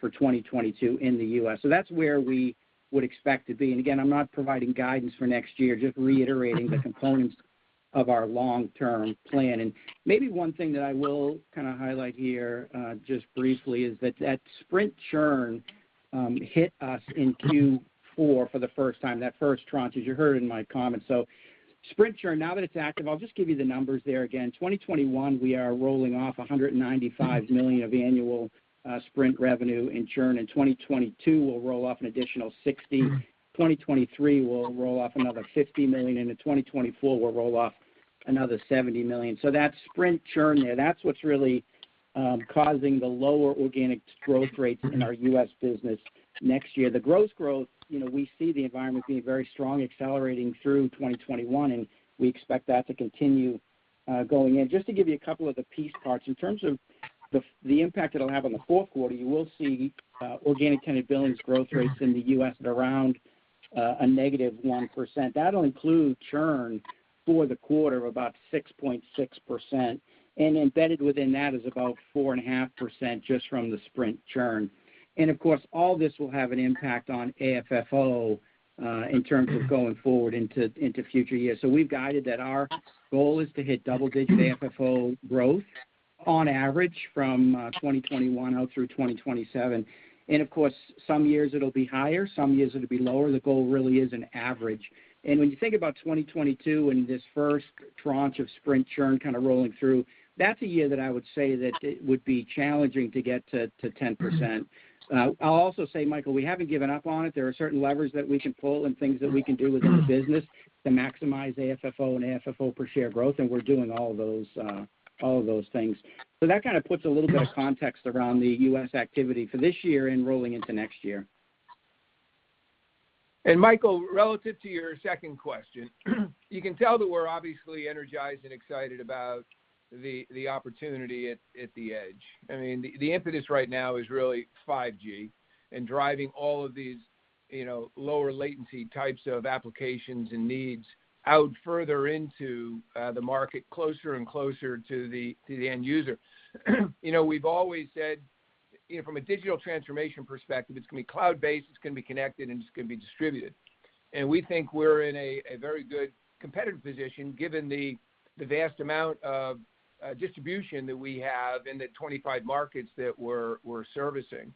for 2022 in the U.S. That's where we would expect to be. Again, I'm not providing guidance for next year, just reiterating the components of our long-term plan. Maybe one thing that I will kinda highlight here, just briefly is that that Sprint churn hit us in Q4 for the first time, that first tranche, as you heard in my comments. Sprint churn, now that it's active, I'll just give you the numbers there again. 2021, we are rolling off $195 million of annual Sprint revenue in churn. In 2022, we'll roll off an additional $60 million. 2023, we'll roll off another $50 million. In 2024, we'll roll off another $70 million. That Sprint churn there, that's what's really causing the lower organic growth rates in our U.S. business next year. The gross growth, you know, we see the environment being very strong, accelerating through 2021, and we expect that to continue going in. Just to give you a couple of the piece parts. In terms of the impact it'll have on the fourth quarter, you will see organic tenant billings growth rates in the U.S. at around a negative 1%. That'll include churn for the quarter of about 6.6%, and embedded within that is about 4.5% just from the Sprint churn. Of course, all this will have an impact on AFFO in terms of going forward into future years. We've guided that our goal is to hit double digits AFFO growth on average from 2021 out through 2027. Of course, some years it'll be higher, some years it'll be lower. The goal really is an average. When you think about 2022 and this first tranche of Sprint churn kind of rolling through, that's a year that I would say that it would be challenging to get to 10%. I'll also say, Michael, we haven't given up on it. There are certain levers that we can pull and things that we can do within the business to maximize AFFO and AFFO per share growth, and we're doing all of those things. That kind of puts a little bit of context around the U.S. activity for this year and rolling into next year. Michael, relative to your second question, you can tell that we're obviously energized and excited about the opportunity at the edge. I mean, the impetus right now is really 5G and driving all of these, you know, lower latency types of applications and needs out further into the market, closer and closer to the end user. You know, we've always said, you know, from a digital transformation perspective, it's gonna be cloud-based, it's gonna be connected, and it's gonna be distributed. We think we're in a very good competitive position given the vast amount of distribution that we have in the 25 markets that we're servicing.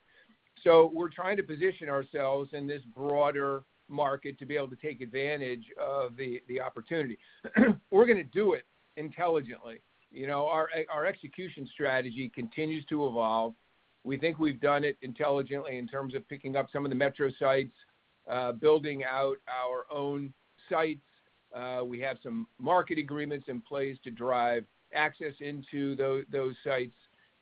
We're trying to position ourselves in this broader market to be able to take advantage of the opportunity. We're gonna do it intelligently. You know, our execution strategy continues to evolve. We think we've done it intelligently in terms of picking up some of the metro sites, building out our own sites. We have some master agreements in place to drive access into those sites.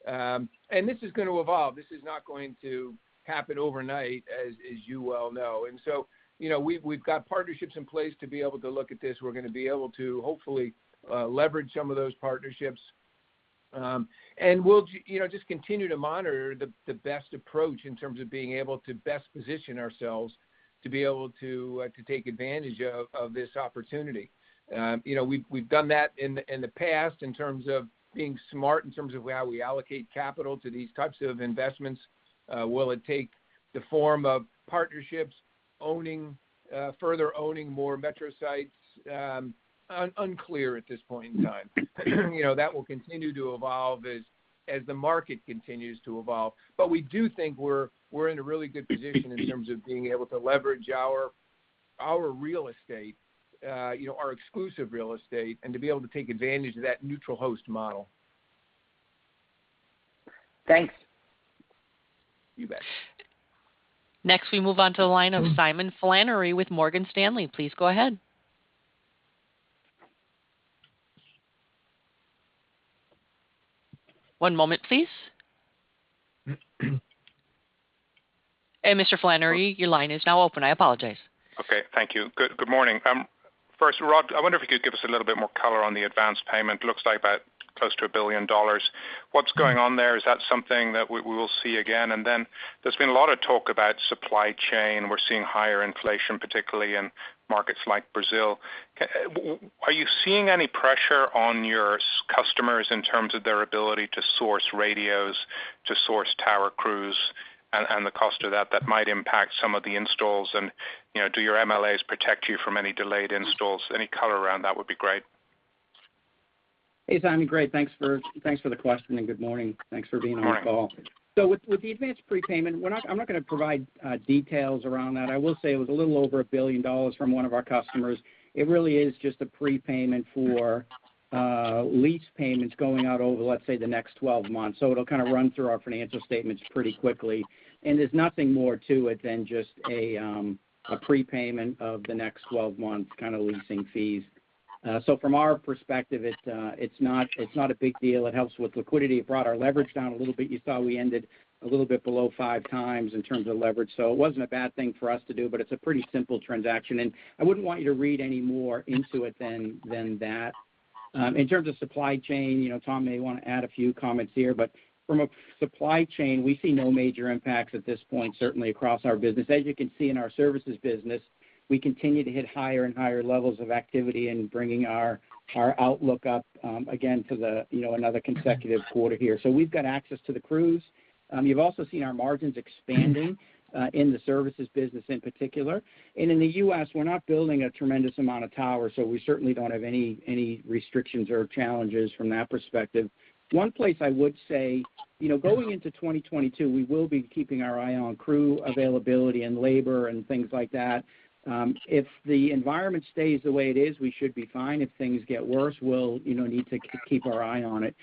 This is gonna evolve. This is not going to happen overnight, as you well know. You know, we've got partnerships in place to be able to look at this. We're gonna be able to hopefully leverage some of those partnerships. We'll just continue to monitor the best approach in terms of being able to best position ourselves to be able to take advantage of this opportunity. You know, we've done that in the past in terms of being smart in terms of how we allocate capital to these types of investments. Will it take the form of partnerships, owning further owning more metro sites? Unclear at this point in time. You know, that will continue to evolve as the market continues to evolve. We do think we're in a really good position in terms of being able to leverage our real estate, you know, our exclusive real estate, and to be able to take advantage of that neutral host model. Thanks. You bet. Next, we move on to the line of Simon Flannery with Morgan Stanley. Please go ahead. One moment, please. Mr. Flannery, your line is now open. I apologize. Okay. Thank you. Good morning. First, Rod, I wonder if you could give us a little bit more color on the advanced payment. Looks like about close to $1 billion. What's going on there? Is that something that we will see again? Then there's been a lot of talk about supply chain. We're seeing higher inflation, particularly in markets like Brazil. Are you seeing any pressure on your customers in terms of their ability to source radios, to source tower crews and the cost of that that might impact some of the installs? You know, do your MLAs protect you from any delayed installs? Any color around that would be great. Hey, Simon. Great. Thanks for the question and good morning. Thanks for being on the call. Morning. With the advanced prepayment, I'm not gonna provide details around that. I will say it was a little over $1 billion from one of our customers. It really is just a prepayment for lease payments going out over, let's say, the next 12 months. It'll kind of run through our financial statements pretty quickly. There's nothing more to it than just a prepayment of the next 12 months kind of leasing fees. From our perspective, it's not a big deal. It helps with liquidity. It brought our leverage down a little bit. You saw we ended a little bit below 5 times in terms of leverage. It wasn't a bad thing for us to do, but it's a pretty simple transaction, and I wouldn't want you to read any more into it than that. In terms of supply chain, you know, Tom may want to add a few comments here, but from a supply chain, we see no major impacts at this point, certainly across our business. As you can see in our services business, we continue to hit higher and higher levels of activity and bringing our outlook up, again to the you know another consecutive quarter here. We've got access to the crews. You've also seen our margins expanding in the services business in particular. In the U.S., we're not building a tremendous amount of towers, so we certainly don't have any restrictions or challenges from that perspective. One place I would say, you know, going into 2022, we will be keeping our eye on crew availability and labor and things like that. If the environment stays the way it is, we should be fine. If things get worse, we'll, you know, need to keep our eye on it.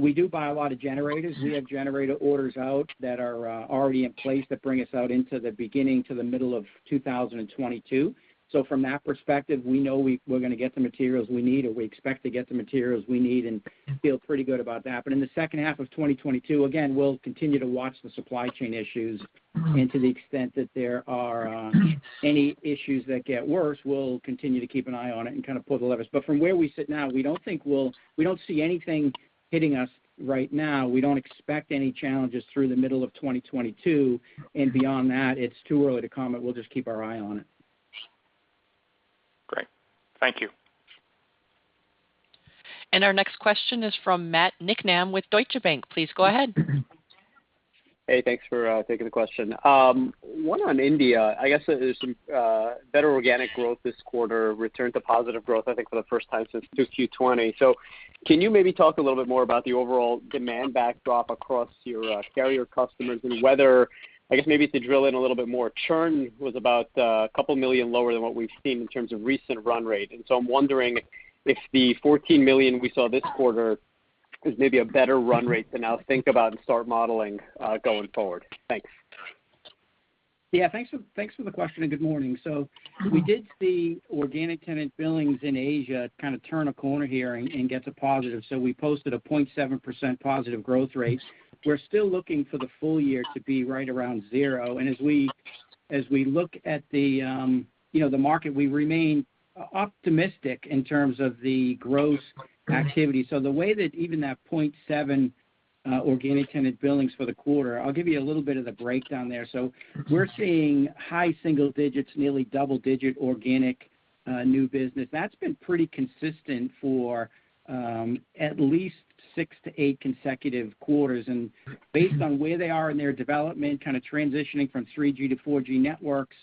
We do buy a lot of generators. We have generator orders out that are already in place that bring us out into the beginning to the middle of 2022. From that perspective, we know we're gonna get the materials we need, or we expect to get the materials we need and feel pretty good about that. In the second half of 2022, again, we'll continue to watch the supply chain issues. To the extent that there are any issues that get worse, we'll continue to keep an eye on it and kind of pull the levers. From where we sit now, we don't see anything hitting us right now. We don't expect any challenges through the middle of 2022 and beyond that, it's too early to comment. We'll just keep our eye on it. Great. Thank you. Our next question is from Matt Niknam with Deutsche Bank. Please go ahead. Hey, thanks for taking the question. One on India, I guess there's some better organic growth this quarter, return to positive growth, I think, for the first time since Q2 2020. Can you maybe talk a little bit more about the overall demand backdrop across your carrier customers and whether, I guess, maybe to drill in a little bit more, churn was about a couple million lower than what we've seen in terms of recent run rate. I'm wondering if the $14 million we saw this quarter is maybe a better run rate to now think about and start modeling going forward. Thanks. Thanks for the question and good morning. We did see organic tenant billings in Asia kind of turn a corner here and get to positive. We posted a 0.7% positive growth rate. We're still looking for the full year to be right around 0. As we look at, you know, the market, we remain optimistic in terms of the growth activity. The way that even that 0.7 organic tenant billings for the quarter, I'll give you a little bit of the breakdown there. We're seeing high single digits, nearly double-digit organic new business. That's been pretty consistent for at least 6-8 consecutive quarters. Based on where they are in their development, kind of transitioning from 3G to 4G networks,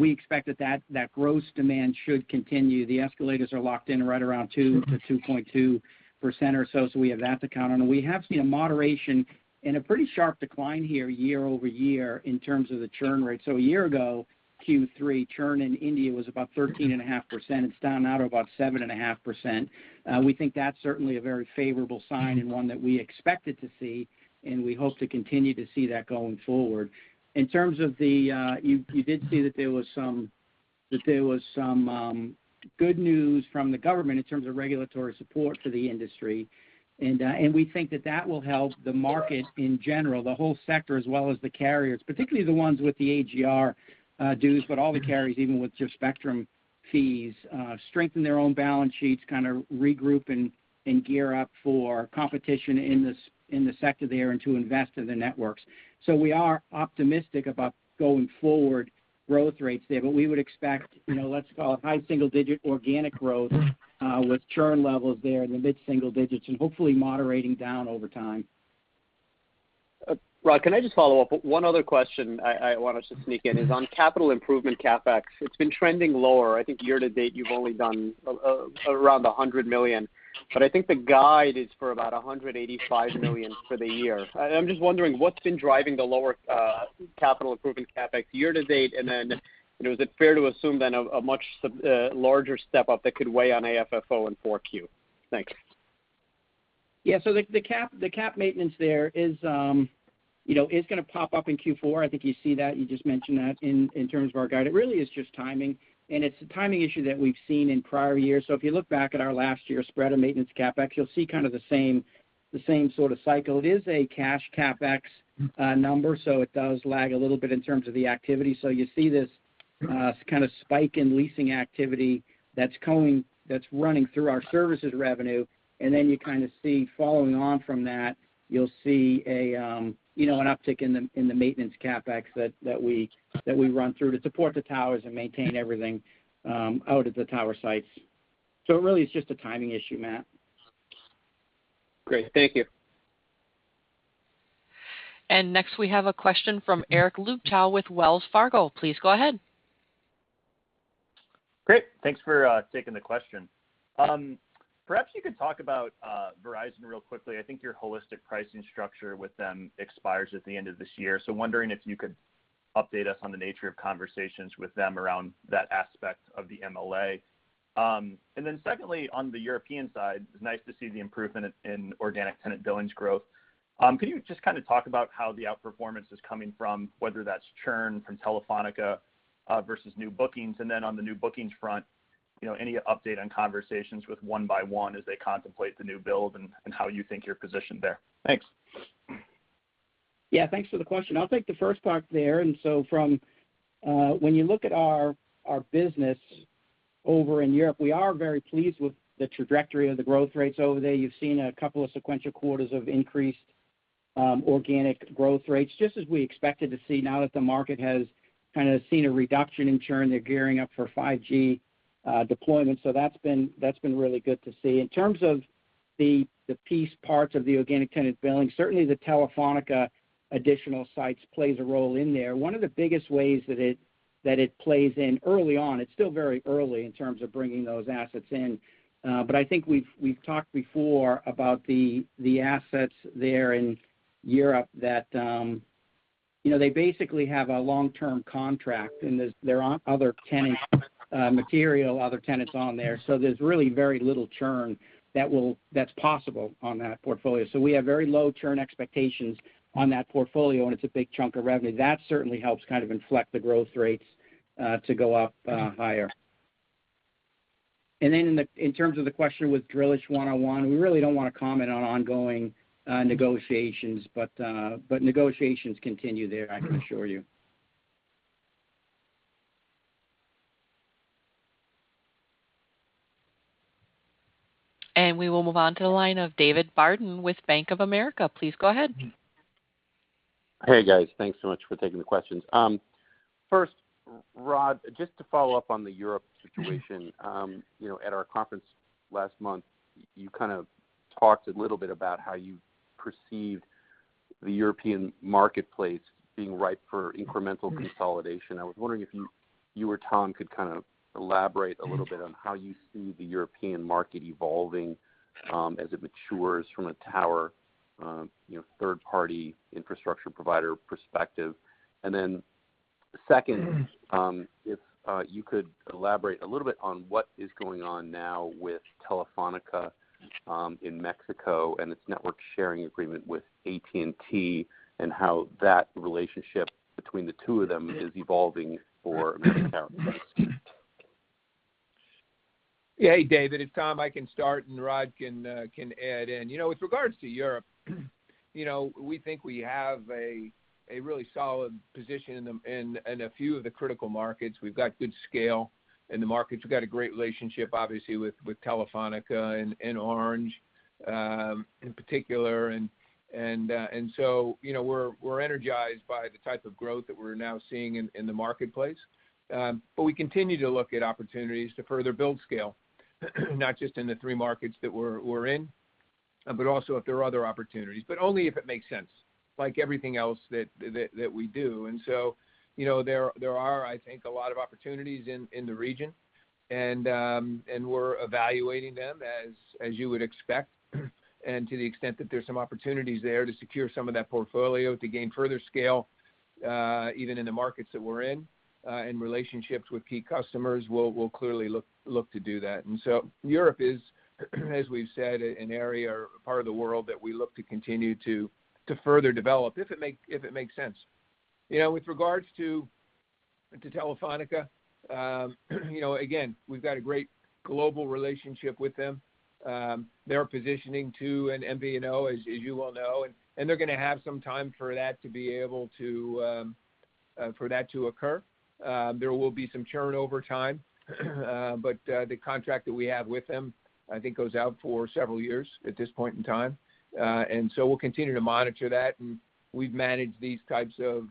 we expect that growth demand should continue. The escalators are locked in right around 2%-2.2% or so we have that to count on. We have seen a moderation and a pretty sharp decline here year-over-year in terms of the churn rate. A year ago, Q3 churn in India was about 13.5%. It's down now to about 7.5%. We think that's certainly a very favorable sign and one that we expected to see, and we hope to continue to see that going forward. You did see that there was some good news from the government in terms of regulatory support for the industry. We think that will help the market in general, the whole sector as well as the carriers, particularly the ones with the AGR dues, but all the carriers, even with just spectrum fees, strengthen their own balance sheets, kind of regroup and gear up for competition in the sector there and to invest in the networks. We are optimistic about going forward growth rates there. We would expect, you know, let's call it high single-digit% organic growth, with churn levels there in the mid single-digits% and hopefully moderating down over time. Rod, can I just follow up? One other question I wanted to sneak in is on capital improvement CapEx. It's been trending lower. I think year to date you've only done around $100 million. I think the guide is for about $185 million for the year. I'm just wondering what's been driving the lower capital improvement CapEx year to date. Then, you know, is it fair to assume a much larger step up that could weigh on AFFO in 4Q? Thanks. Yeah. The cap maintenance there is gonna pop up in Q4. I think you see that. You just mentioned that in terms of our guide. It really is just timing, and it's a timing issue that we've seen in prior years. If you look back at our last year spread of maintenance CapEx, you'll see kind of the same sort of cycle. It is a cash CapEx number, so it does lag a little bit in terms of the activity. You see this kind of spike in leasing activity that's coming, that's running through our services revenue, and then you kinda see following on from that, you'll see an uptick in the maintenance CapEx that we run through to support the towers and maintain everything out at the tower sites. It really is just a timing issue, Matt. Great. Thank you. Next we have a question from Eric Luebchow with Wells Fargo. Please go ahead. Great. Thanks for taking the question. Perhaps you could talk about Verizon real quickly. I think your holistic pricing structure with them expires at the end of this year, so wondering if you could update us on the nature of conversations with them around that aspect of the MLA. Then secondly, on the European side, it's nice to see the improvement in organic tenant billings growth. Can you just kind of talk about how the outperformance is coming from, whether that's churn from Telefónica versus new bookings? Then on the new bookings front, you know, any update on conversations with 1&1 as they contemplate the new build and how you think you're positioned there? Thanks. Yeah. Thanks for the question. I'll take the first part there. From when you look at our business over in Europe, we are very pleased with the trajectory of the growth rates over there. You've seen a couple of sequential quarters of increased organic growth rates, just as we expected to see now that the market has kinda seen a reduction in churn. They're gearing up for 5G deployment. That's been really good to see. In terms of the piece parts of the organic tenant billing, certainly the Telefónica additional sites plays a role in there. One of the biggest ways that it plays in early on. It's still very early in terms of bringing those assets in, but I think we've talked before about the assets there in Europe that, you know, they basically have a long-term contract and there aren't other tenants, material other tenants on there. There's really very little churn that's possible on that portfolio. We have very low churn expectations on that portfolio, and it's a big chunk of revenue. That certainly helps kind of inflect the growth rates to go up higher. Then in terms of the question with 1&1 Drillisch, we really don't wanna comment on ongoing negotiations, but negotiations continue there, I can assure you. We will move on to the line of David Barden with Bank of America. Please go ahead. Hey, guys. Thanks so much for taking the questions. First, Rod, just to follow up on the Europe situation. You know, at our conference last month, you kind of talked a little bit about how you perceived the European marketplace being ripe for incremental consolidation. I was wondering if you or Tom could kind of elaborate a little bit on how you see the European market evolving, as it matures from a tower, you know, third party infrastructure provider perspective. Second, if you could elaborate a little bit on what is going on now with Telefónica in Mexico and its network sharing agreement with AT&T, and how that relationship between the two of them is evolving for American Tower. Yeah. Hey, David, it's Tom. I can start, and Rod can add in. You know, with regards to Europe, you know, we think we have a really solid position in a few of the critical markets. We've got good scale in the markets. We've got a great relationship, obviously, with Telefónica and Orange, in particular. You know, we're energized by the type of growth that we're now seeing in the marketplace. We continue to look at opportunities to further build scale, not just in the three markets that we're in, but also if there are other opportunities, but only if it makes sense, like everything else that we do. You know, there are, I think, a lot of opportunities in the region, and we're evaluating them as you would expect. To the extent that there's some opportunities there to secure some of that portfolio to gain further scale, even in the markets that we're in, and relationships with key customers, we'll clearly look to do that. Europe is, as we've said, an area or part of the world that we look to continue to further develop, if it makes sense. You know, with regards to Telefónica, you know, again, we've got a great global relationship with them. They're positioning to an MVNO, as you well know, and they're gonna have some time for that to be able to for that to occur. There will be some churn over time, but the contract that we have with them, I think, goes out for several years at this point in time. We'll continue to monitor that, and we've managed these types of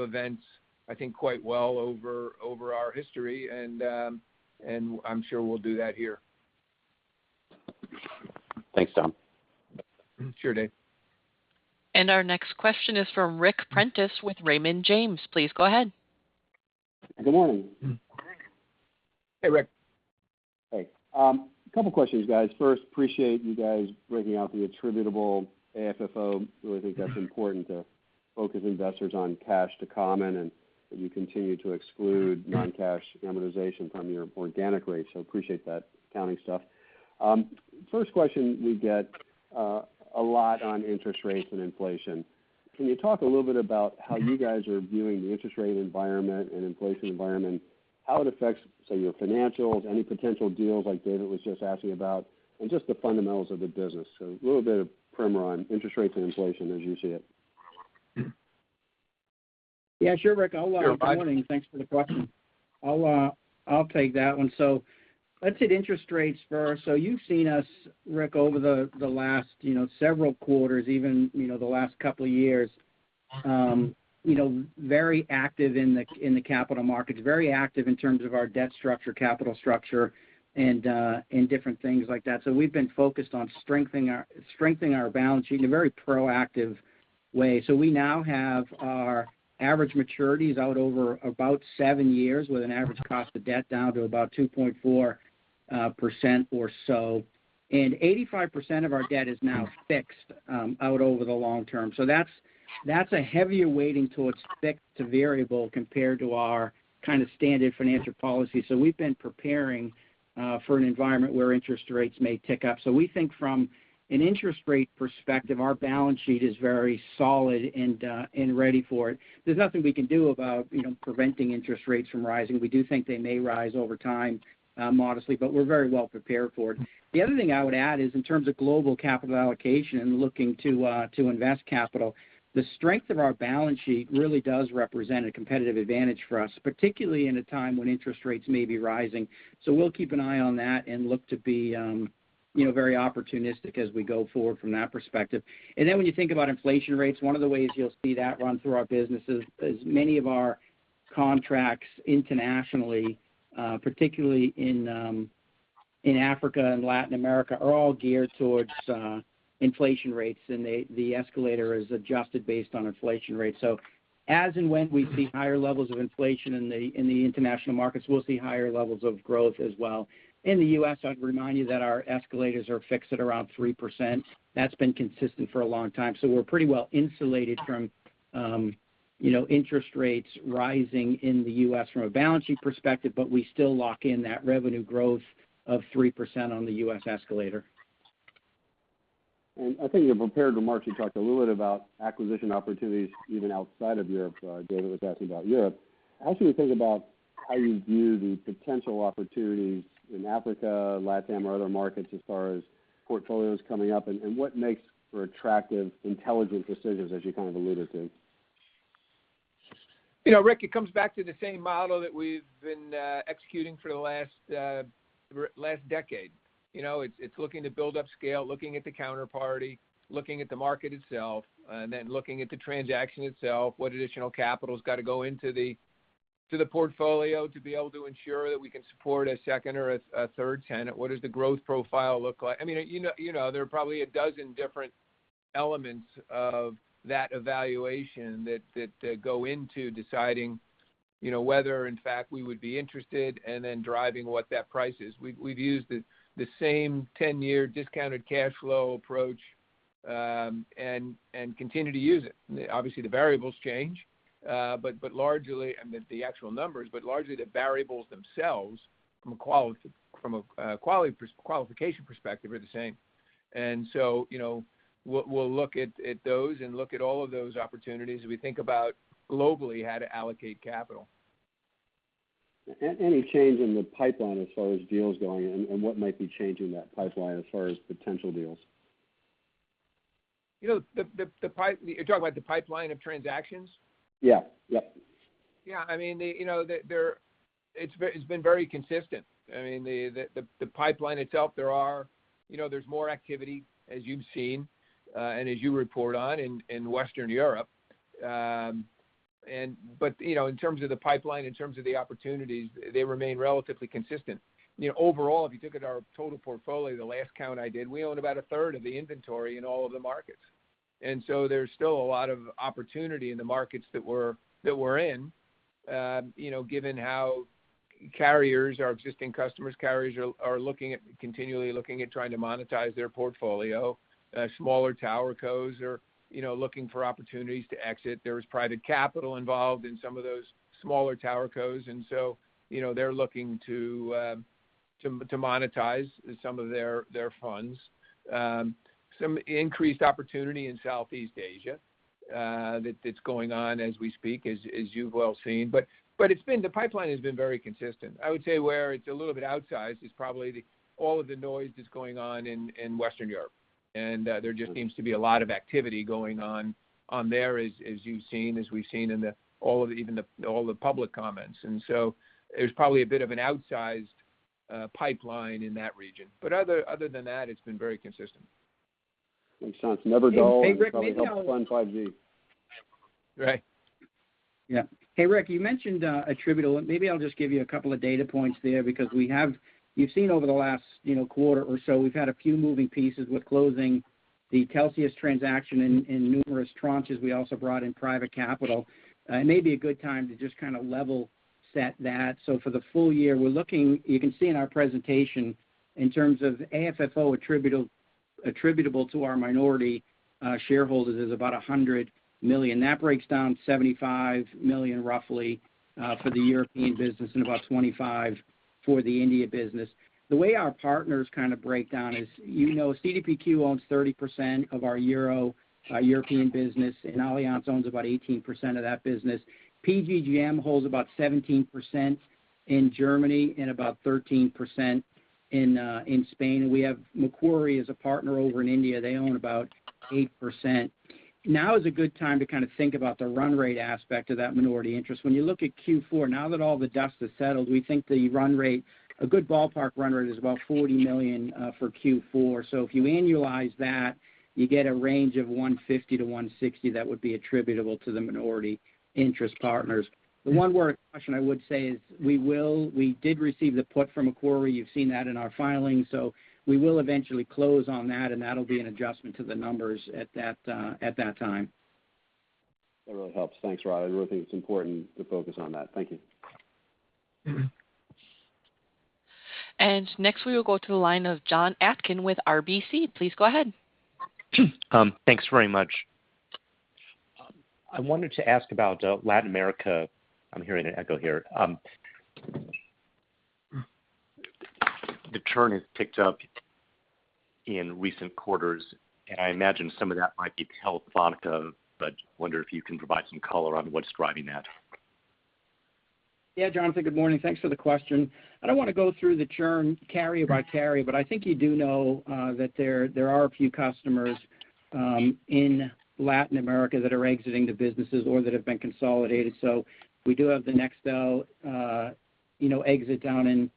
events, I think, quite well over our history, and I'm sure we'll do that here. Thanks, Tom. Sure, Dave. Our next question is from Ric Prentiss with Raymond James. Please go ahead. Good morning. Hey, Rick. Hey. Couple questions, guys. First, appreciate you guys breaking out the attributable AFFO. Really think that's important to focus investors on cash to common, and that you continue to exclude non-cash amortization from your organic rates, so appreciate that accounting stuff. First question, we get a lot on interest rates and inflation. Can you talk a little bit about how you guys are viewing the interest rate environment and inflation environment, how it affects, say, your financials, any potential deals like David was just asking about, and just the fundamentals of the business? A little bit of primer on interest rates and inflation as you see it. Yeah, sure, Rick. I'll Sure, Rod. Good morning. Thanks for the question. I'll take that one. Let's hit interest rates first. You've seen us, Rick, over the last, you know, several quarters, even, you know, the last couple years, you know, very active in the capital markets, very active in terms of our debt structure, capital structure, and different things like that. We've been focused on strengthening our balance sheet in a very proactive way. We now have our average maturities out over about seven years with an average cost of debt down to about 2.4% or so. Eighty-five percent of our debt is now fixed out over the long term. That's a heavier weighting towards fixed to variable compared to our kind of standard financial policy. We've been preparing for an environment where interest rates may tick up. We think from an interest rate perspective, our balance sheet is very solid and ready for it. There's nothing we can do about, you know, preventing interest rates from rising. We do think they may rise over time, modestly, but we're very well prepared for it. The other thing I would add is in terms of global capital allocation and looking to invest capital, the strength of our balance sheet really does represent a competitive advantage for us, particularly in a time when interest rates may be rising. We'll keep an eye on that and look to be, you know, very opportunistic as we go forward from that perspective. When you think about inflation rates, one of the ways you'll see that run through our business is many of our contracts internationally, particularly in Africa and Latin America, are all geared towards inflation rates, and the escalator is adjusted based on inflation rates. As and when we see higher levels of inflation in the international markets, we'll see higher levels of growth as well. In the U.S., I'd remind you that our escalators are fixed at around 3%. That's been consistent for a long time. We're pretty well insulated from, you know, interest rates rising in the U.S. from a balance sheet perspective, but we still lock in that revenue growth of 3% on the U.S. escalator. I think in your prepared remarks, you talked a little bit about acquisition opportunities even outside of Europe. David was asking about Europe. How should we think about how you view the potential opportunities in Africa, LatAm, or other markets as far as portfolios coming up, and what makes for attractive, intelligent decisions as you kind of alluded to? You know, Rick, it comes back to the same model that we've been executing for the last decade. You know, it's looking to build up scale, looking at the counterparty, looking at the market itself, and then looking at the transaction itself. What additional capital's gotta go into the portfolio to be able to ensure that we can support a second or a third tenant? What does the growth profile look like? I mean, you know, there are probably a dozen different elements of that evaluation that go into deciding, you know, whether in fact we would be interested and then driving what that price is. We've used the same 10-year discounted cash flow approach and continue to use it. Obviously, the variables change, but largely. I meant the actual numbers, but largely the variables themselves from a qualification perspective are the same. You know, we'll look at those and look at all of those opportunities as we think about globally how to allocate capital. Any change in the pipeline as far as deals going, and what might be changing that pipeline as far as potential deals? You know, you're talking about the pipeline of transactions? Yeah. Yep. I mean, they, you know, they're. It's been very consistent. I mean, the pipeline itself, there is more activity as you've seen, and as you report on in Western Europe. But you know, in terms of the pipeline, in terms of the opportunities, they remain relatively consistent. You know, overall, if you look at our total portfolio, the last count I did, we own about 1/3 of the inventory in all of the markets. There's still a lot of opportunity in the markets that we're in, you know, given how carriers, our existing customers, are continually looking at trying to monetize their portfolio. Smaller tower cos are, you know, looking for opportunities to exit. There's private capital involved in some of those smaller tower cos. You know, they're looking to monetize some of their funds. Some increased opportunity in Southeast Asia, that's going on as we speak, as you've well seen. It's been. The pipeline has been very consistent. I would say where it's a little bit outsized is probably all of the noise that's going on in Western Europe. There just seems to be a lot of activity going on there, as you've seen, as we've seen in all the public comments. There's probably a bit of an outsized pipeline in that region. Other than that, it's been very consistent. It sounds never dull and probably helps fund 5G. Right. Yeah. Hey, Rick, you mentioned attributable. Maybe I'll just give you a couple of data points there because we have. You've seen over the last, you know, quarter or so, we've had a few moving pieces with closing the Telxius transaction in numerous tranches. We also brought in private capital. It may be a good time to just kind of level set that. For the full year, we're looking. You can see in our presentation, in terms of AFFO attributable to our minority shareholders is about $100 million. That breaks down to roughly $75 million for the European business and about $25 million for the India business. The way our partners kind of break down is, you know, CDPQ owns 30% of our European business, and Allianz owns about 18% of that business. PGGM holds about 17% in Germany and about 13% in Spain. We have Macquarie as a partner over in India. They own about 8%. Now is a good time to kind of think about the run rate aspect of that minority interest. When you look at Q4, now that all the dust has settled, we think the run rate, a good ballpark run rate is about $40 million for Q4. If you annualize that, you get a range of $150 million-$160 million that would be attributable to the minority interest partners. The one word of caution I would say is we will. We did receive the put from Macquarie. You've seen that in our filings. We will eventually close on that, and that'll be an adjustment to the numbers at that time. That really helps. Thanks, Rod. I really think it's important to focus on that. Thank you. Mm-hmm. Next, we will go to the line of Jonathan Atkin with RBC. Please go ahead. Thanks very much. I wanted to ask about Latin America. I'm hearing an echo here. The churn has picked up in recent quarters, and I imagine some of that might be Telefónica, but I wonder if you can provide some color on what's driving that. Yeah, Jonathan, good morning. Thanks for the question. I don't wanna go through the churn carrier by carrier, but I think you do know that there are a few customers in Latin America that are exiting the businesses or that have been consolidated. We do have the Nextel, you know, exit down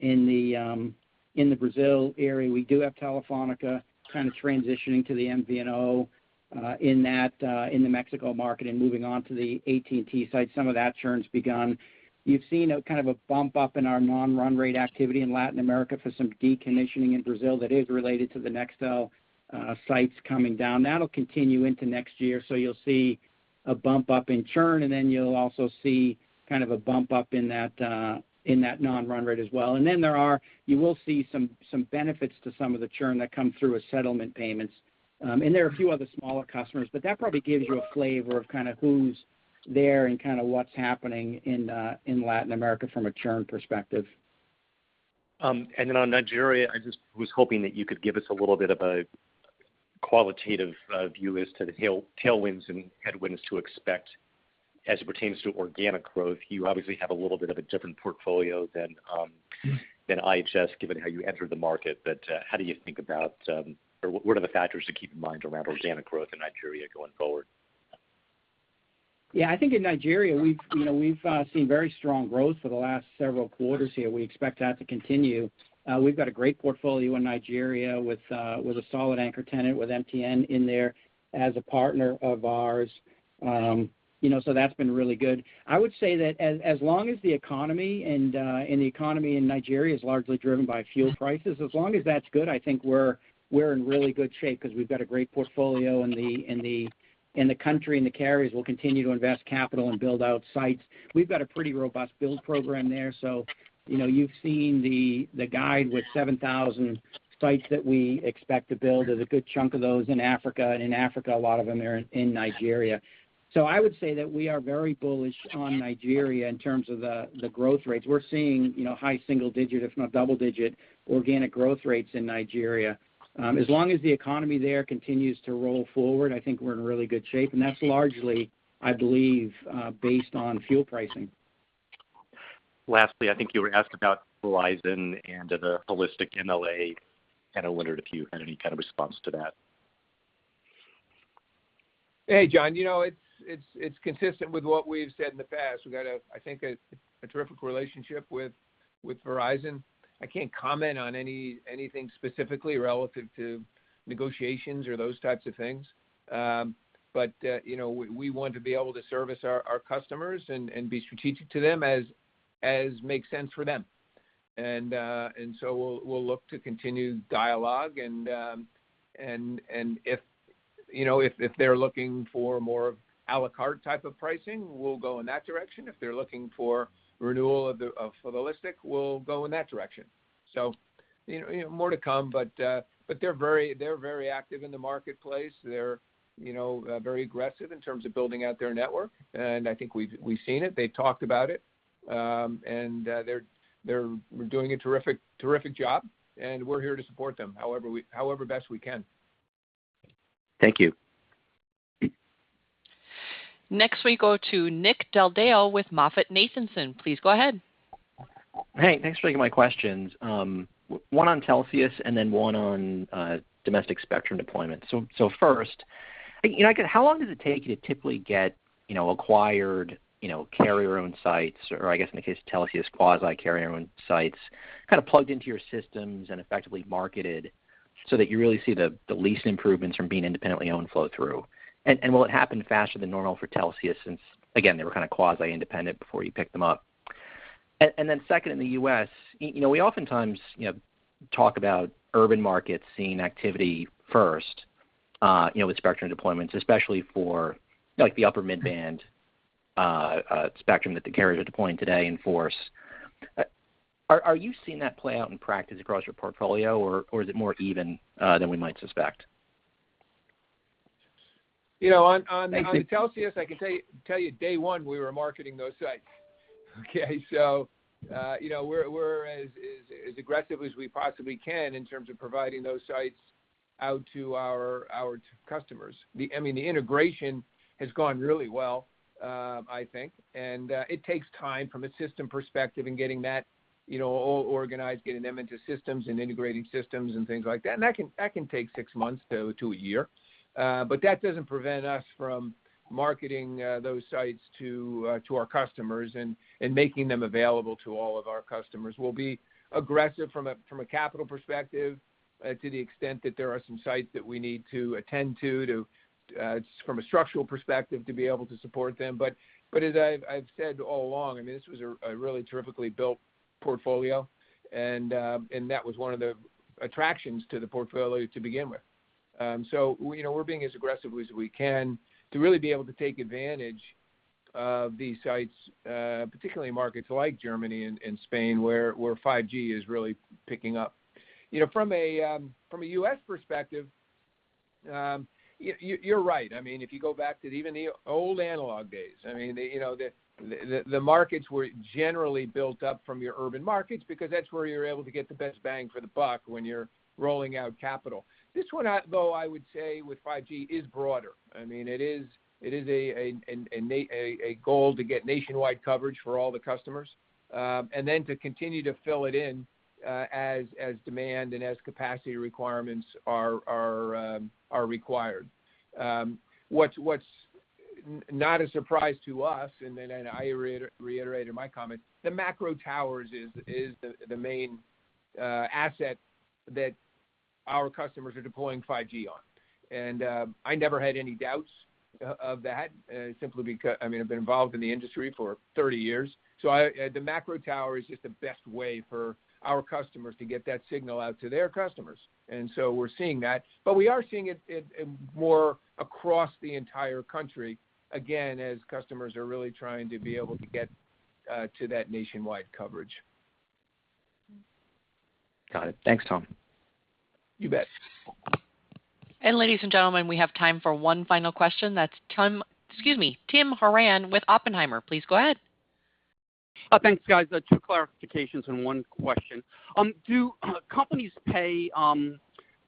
in the Brazil area. We do have Telefónica kind of transitioning to the MVNO in that in the Mexico market and moving on to the AT&T side. Some of that churn's begun. You've seen kind of a bump up in our non-run rate activity in Latin America for some decommissioning in Brazil that is related to the Nextel sites coming down. That'll continue into next year. You'll see a bump up in churn, and then you'll also see kind of a bump up in that non-run rate as well. You will see some benefits to some of the churn that come through as settlement payments. There are a few other smaller customers, but that probably gives you a flavor of kinda who's there and kinda what's happening in Latin America from a churn perspective. on Nigeria, I just was hoping that you could give us a little bit of a qualitative view as to the tailwinds and headwinds to expect as it pertains to organic growth. You obviously have a little bit of a different portfolio than IHS, given how you entered the market. How do you think about or what are the factors to keep in mind around organic growth in Nigeria going forward? Yeah, I think in Nigeria, we've, you know, seen very strong growth for the last several quarters here. We expect that to continue. We've got a great portfolio in Nigeria with a solid anchor tenant, with MTN in there as a partner of ours. You know, so that's been really good. I would say that as long as the economy and the economy in Nigeria is largely driven by fuel prices, as long as that's good, I think we're in really good shape because we've got a great portfolio in the country, and the carriers will continue to invest capital and build out sites. We've got a pretty robust build program there. You know, you've seen the guide with 7,000 sites that we expect to build. There's a good chunk of those in Africa. In Africa, a lot of them are in Nigeria. I would say that we are very bullish on Nigeria in terms of the growth rates. We're seeing, you know, high single-digit, if not double-digit, organic growth rates in Nigeria. As long as the economy there continues to roll forward, I think we're in really good shape. That's largely, I believe, based on fuel pricing. Lastly, I think you were asked about Verizon and the holistic MLA, and I wondered if you had any kind of response to that. Hey, John. You know, it's consistent with what we've said in the past. We've got, I think, a terrific relationship with Verizon. I can't comment on anything specifically relative to negotiations or those types of things. You know, we want to be able to service our customers and be strategic to them as makes sense for them. We'll look to continue dialogue and if you know, if they're looking for more à la carte type of pricing, we'll go in that direction. If they're looking for renewal of the holistic, we'll go in that direction. You know, more to come, but they're very active in the marketplace. They're, you know, very aggressive in terms of building out their network. I think we've seen it. They've talked about it. They're doing a terrific job, and we're here to support them however best we can. Thank you. Next, we go to Nick Del Deo with MoffettNathanson. Please go ahead. Hey, thanks for taking my questions. One on Telxius and then one on domestic spectrum deployment. First, you know, like how long does it take you to typically get acquired carrier-owned sites or, I guess in the case of Telxius, quasi-carrier-owned sites kind of plugged into your systems and effectively marketed so that you really see the lease improvements from being independently owned flow through? And will it happen faster than normal for Telxius since, again, they were kind of quasi-independent before you picked them up? And then second, in the U.S., you know, we oftentimes talk about urban markets seeing activity first with spectrum deployments, especially for, like, the upper mid-band spectrum that the carriers are deploying today in force. Are you seeing that play out in practice across your portfolio, or is it more even than we might suspect? You know, on Thank you. on Telxius, I can tell you day one we were marketing those sites. Okay. We're as aggressive as we possibly can in terms of providing those sites out to our customers. The integration has gone really well, I think. It takes time from a system perspective in getting that all organized, getting them into systems and integrating systems and things like that. That can take six months to a year. But that doesn't prevent us from marketing those sites to our customers and making them available to all of our customers. We'll be aggressive from a capital perspective to the extent that there are some sites that we need to attend to from a structural perspective to be able to support them. As I've said all along, I mean, this was a really terrifically built portfolio and that was one of the attractions to the portfolio to begin with. You know, we're being as aggressive as we can to really be able to take advantage of these sites, particularly in markets like Germany and Spain, where 5G is really picking up. You know, from a U.S. perspective, you're right. I mean, if you go back to even the old analog days, I mean, you know, the markets were generally built up from your urban markets because that's where you're able to get the best bang for the buck when you're rolling out capital. This one, though, I would say with 5G is broader. I mean, it is a goal to get nationwide coverage for all the customers, and then to continue to fill it in, as demand and as capacity requirements are required. What's not a surprise to us, and then I reiterated in my comment, the macro towers is the main asset that our customers are deploying 5G on. I never had any doubts of that simply because, I mean, I've been involved in the industry for 30 years. The macro tower is just the best way for our customers to get that signal out to their customers. We're seeing that. We are seeing it more across the entire country, again, as customers are really trying to be able to get to that nationwide coverage. Got it. Thanks, Tom. You bet. Ladies and gentlemen, we have time for one final question. That's Tim Horan with Oppenheimer. Please go ahead. Thanks, guys. Two clarifications and one question. Do companies pay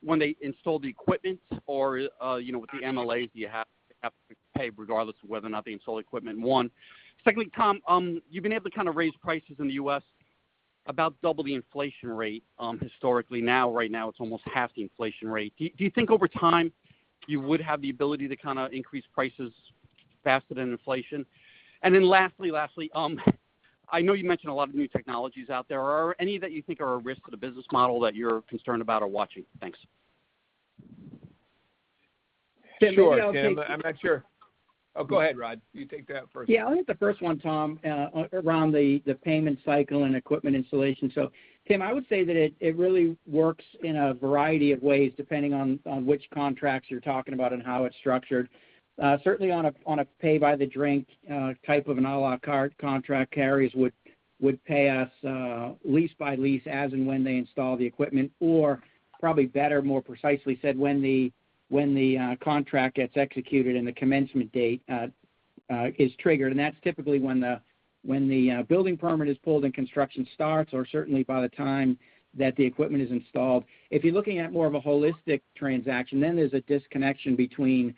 when they install the equipment or, you know, with the MLA, do you have to pay regardless of whether or not they install equipment, one? Secondly, Tom, you've been able to kind of raise prices in the U.S. about double the inflation rate, historically now, right now, it's almost half the inflation rate. Do you think over time you would have the ability to kinda increase prices faster than inflation? And then lastly, I know you mentioned a lot of new technologies out there. Are any that you think are a risk to the business model that you're concerned about or watching? Thanks. Sure, Tim. I'm not sure. Oh, go ahead, Rod. You take that first. Yeah, I'll take the first one, Tom, around the payment cycle and equipment installation. Tim, I would say that it really works in a variety of ways depending on which contracts you're talking about and how it's structured. Certainly on a pay by the drink type of an a la carte contract, carriers would pay us lease by lease as and when they install the equipment. Or probably better, more precisely said, when the contract gets executed and the commencement date is triggered. That's typically when the building permit is pulled and construction starts, or certainly by the time that the equipment is installed. If you're looking at more of a holistic transaction, then there's a disconnection between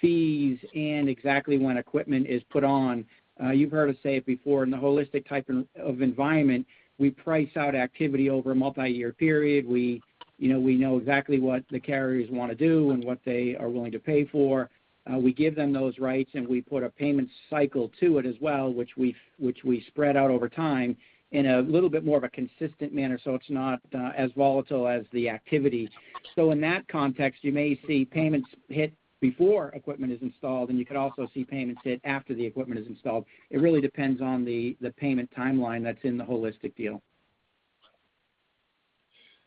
fees and exactly when equipment is put on. You've heard us say it before, in the holistic type of environment, we price out activity over a multiyear period. We, you know exactly what the carriers wanna do and what they are willing to pay for. We give them those rights, and we put a payment cycle to it as well, which we spread out over time in a little bit more of a consistent manner, so it's not as volatile as the activity. In that context, you may see payments hit before equipment is installed, and you could also see payments hit after the equipment is installed. It really depends on the payment timeline that's in the holistic deal.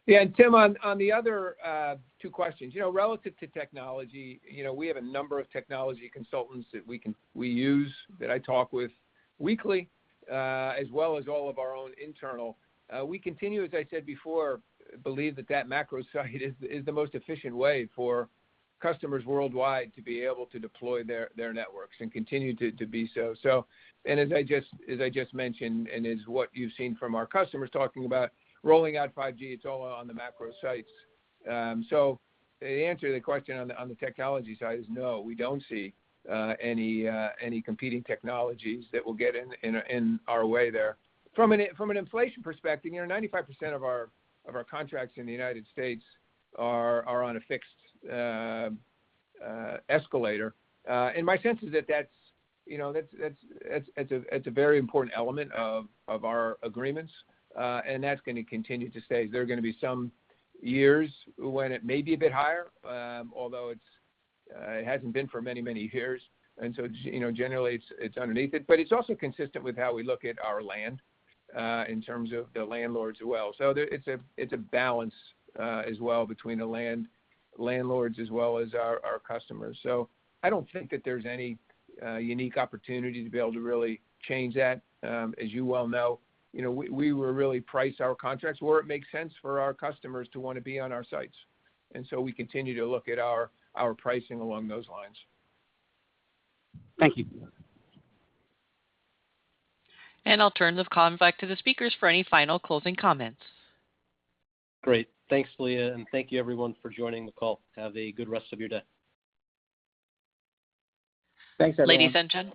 Yeah, Tim, on the other two questions. You know, relative to technology, you know, we have a number of technology consultants that we use, that I talk with weekly, as well as all of our own internal. We continue, as I said before, to believe that macro site is the most efficient way for customers worldwide to be able to deploy their networks and continue to be so. As I just mentioned, and as what you've seen from our customers talking about rolling out 5G, it's all on the macro sites. To answer the question on the technology side, no, we don't see any competing technologies that will get in our way there. From an inflation perspective, you know, 95% of our contracts in the United States are on a fixed escalator. My sense is that that's, you know, that's a very important element of our agreements, and that's gonna continue to stay. There are gonna be some years when it may be a bit higher, although it hasn't been for many years. You know, generally it's underneath it. It's also consistent with how we look at our land in terms of the landlords as well. It's a balance as well between the landlords as well as our customers. I don't think that there's any unique opportunity to be able to really change that. As you well know, you know, we will really price our contracts where it makes sense for our customers to wanna be on our sites. We continue to look at our pricing along those lines. Thank you. I'll turn the call back to the speakers for any final closing comments. Great. Thanks, Leah, and thank you everyone for joining the call. Have a good rest of your day. Thanks, everyone.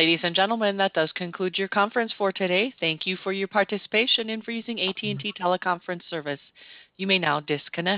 Ladies and gentlemen, that does conclude your conference for today. Thank you for your participation and for using AT&T Teleconference service. You may now disconnect.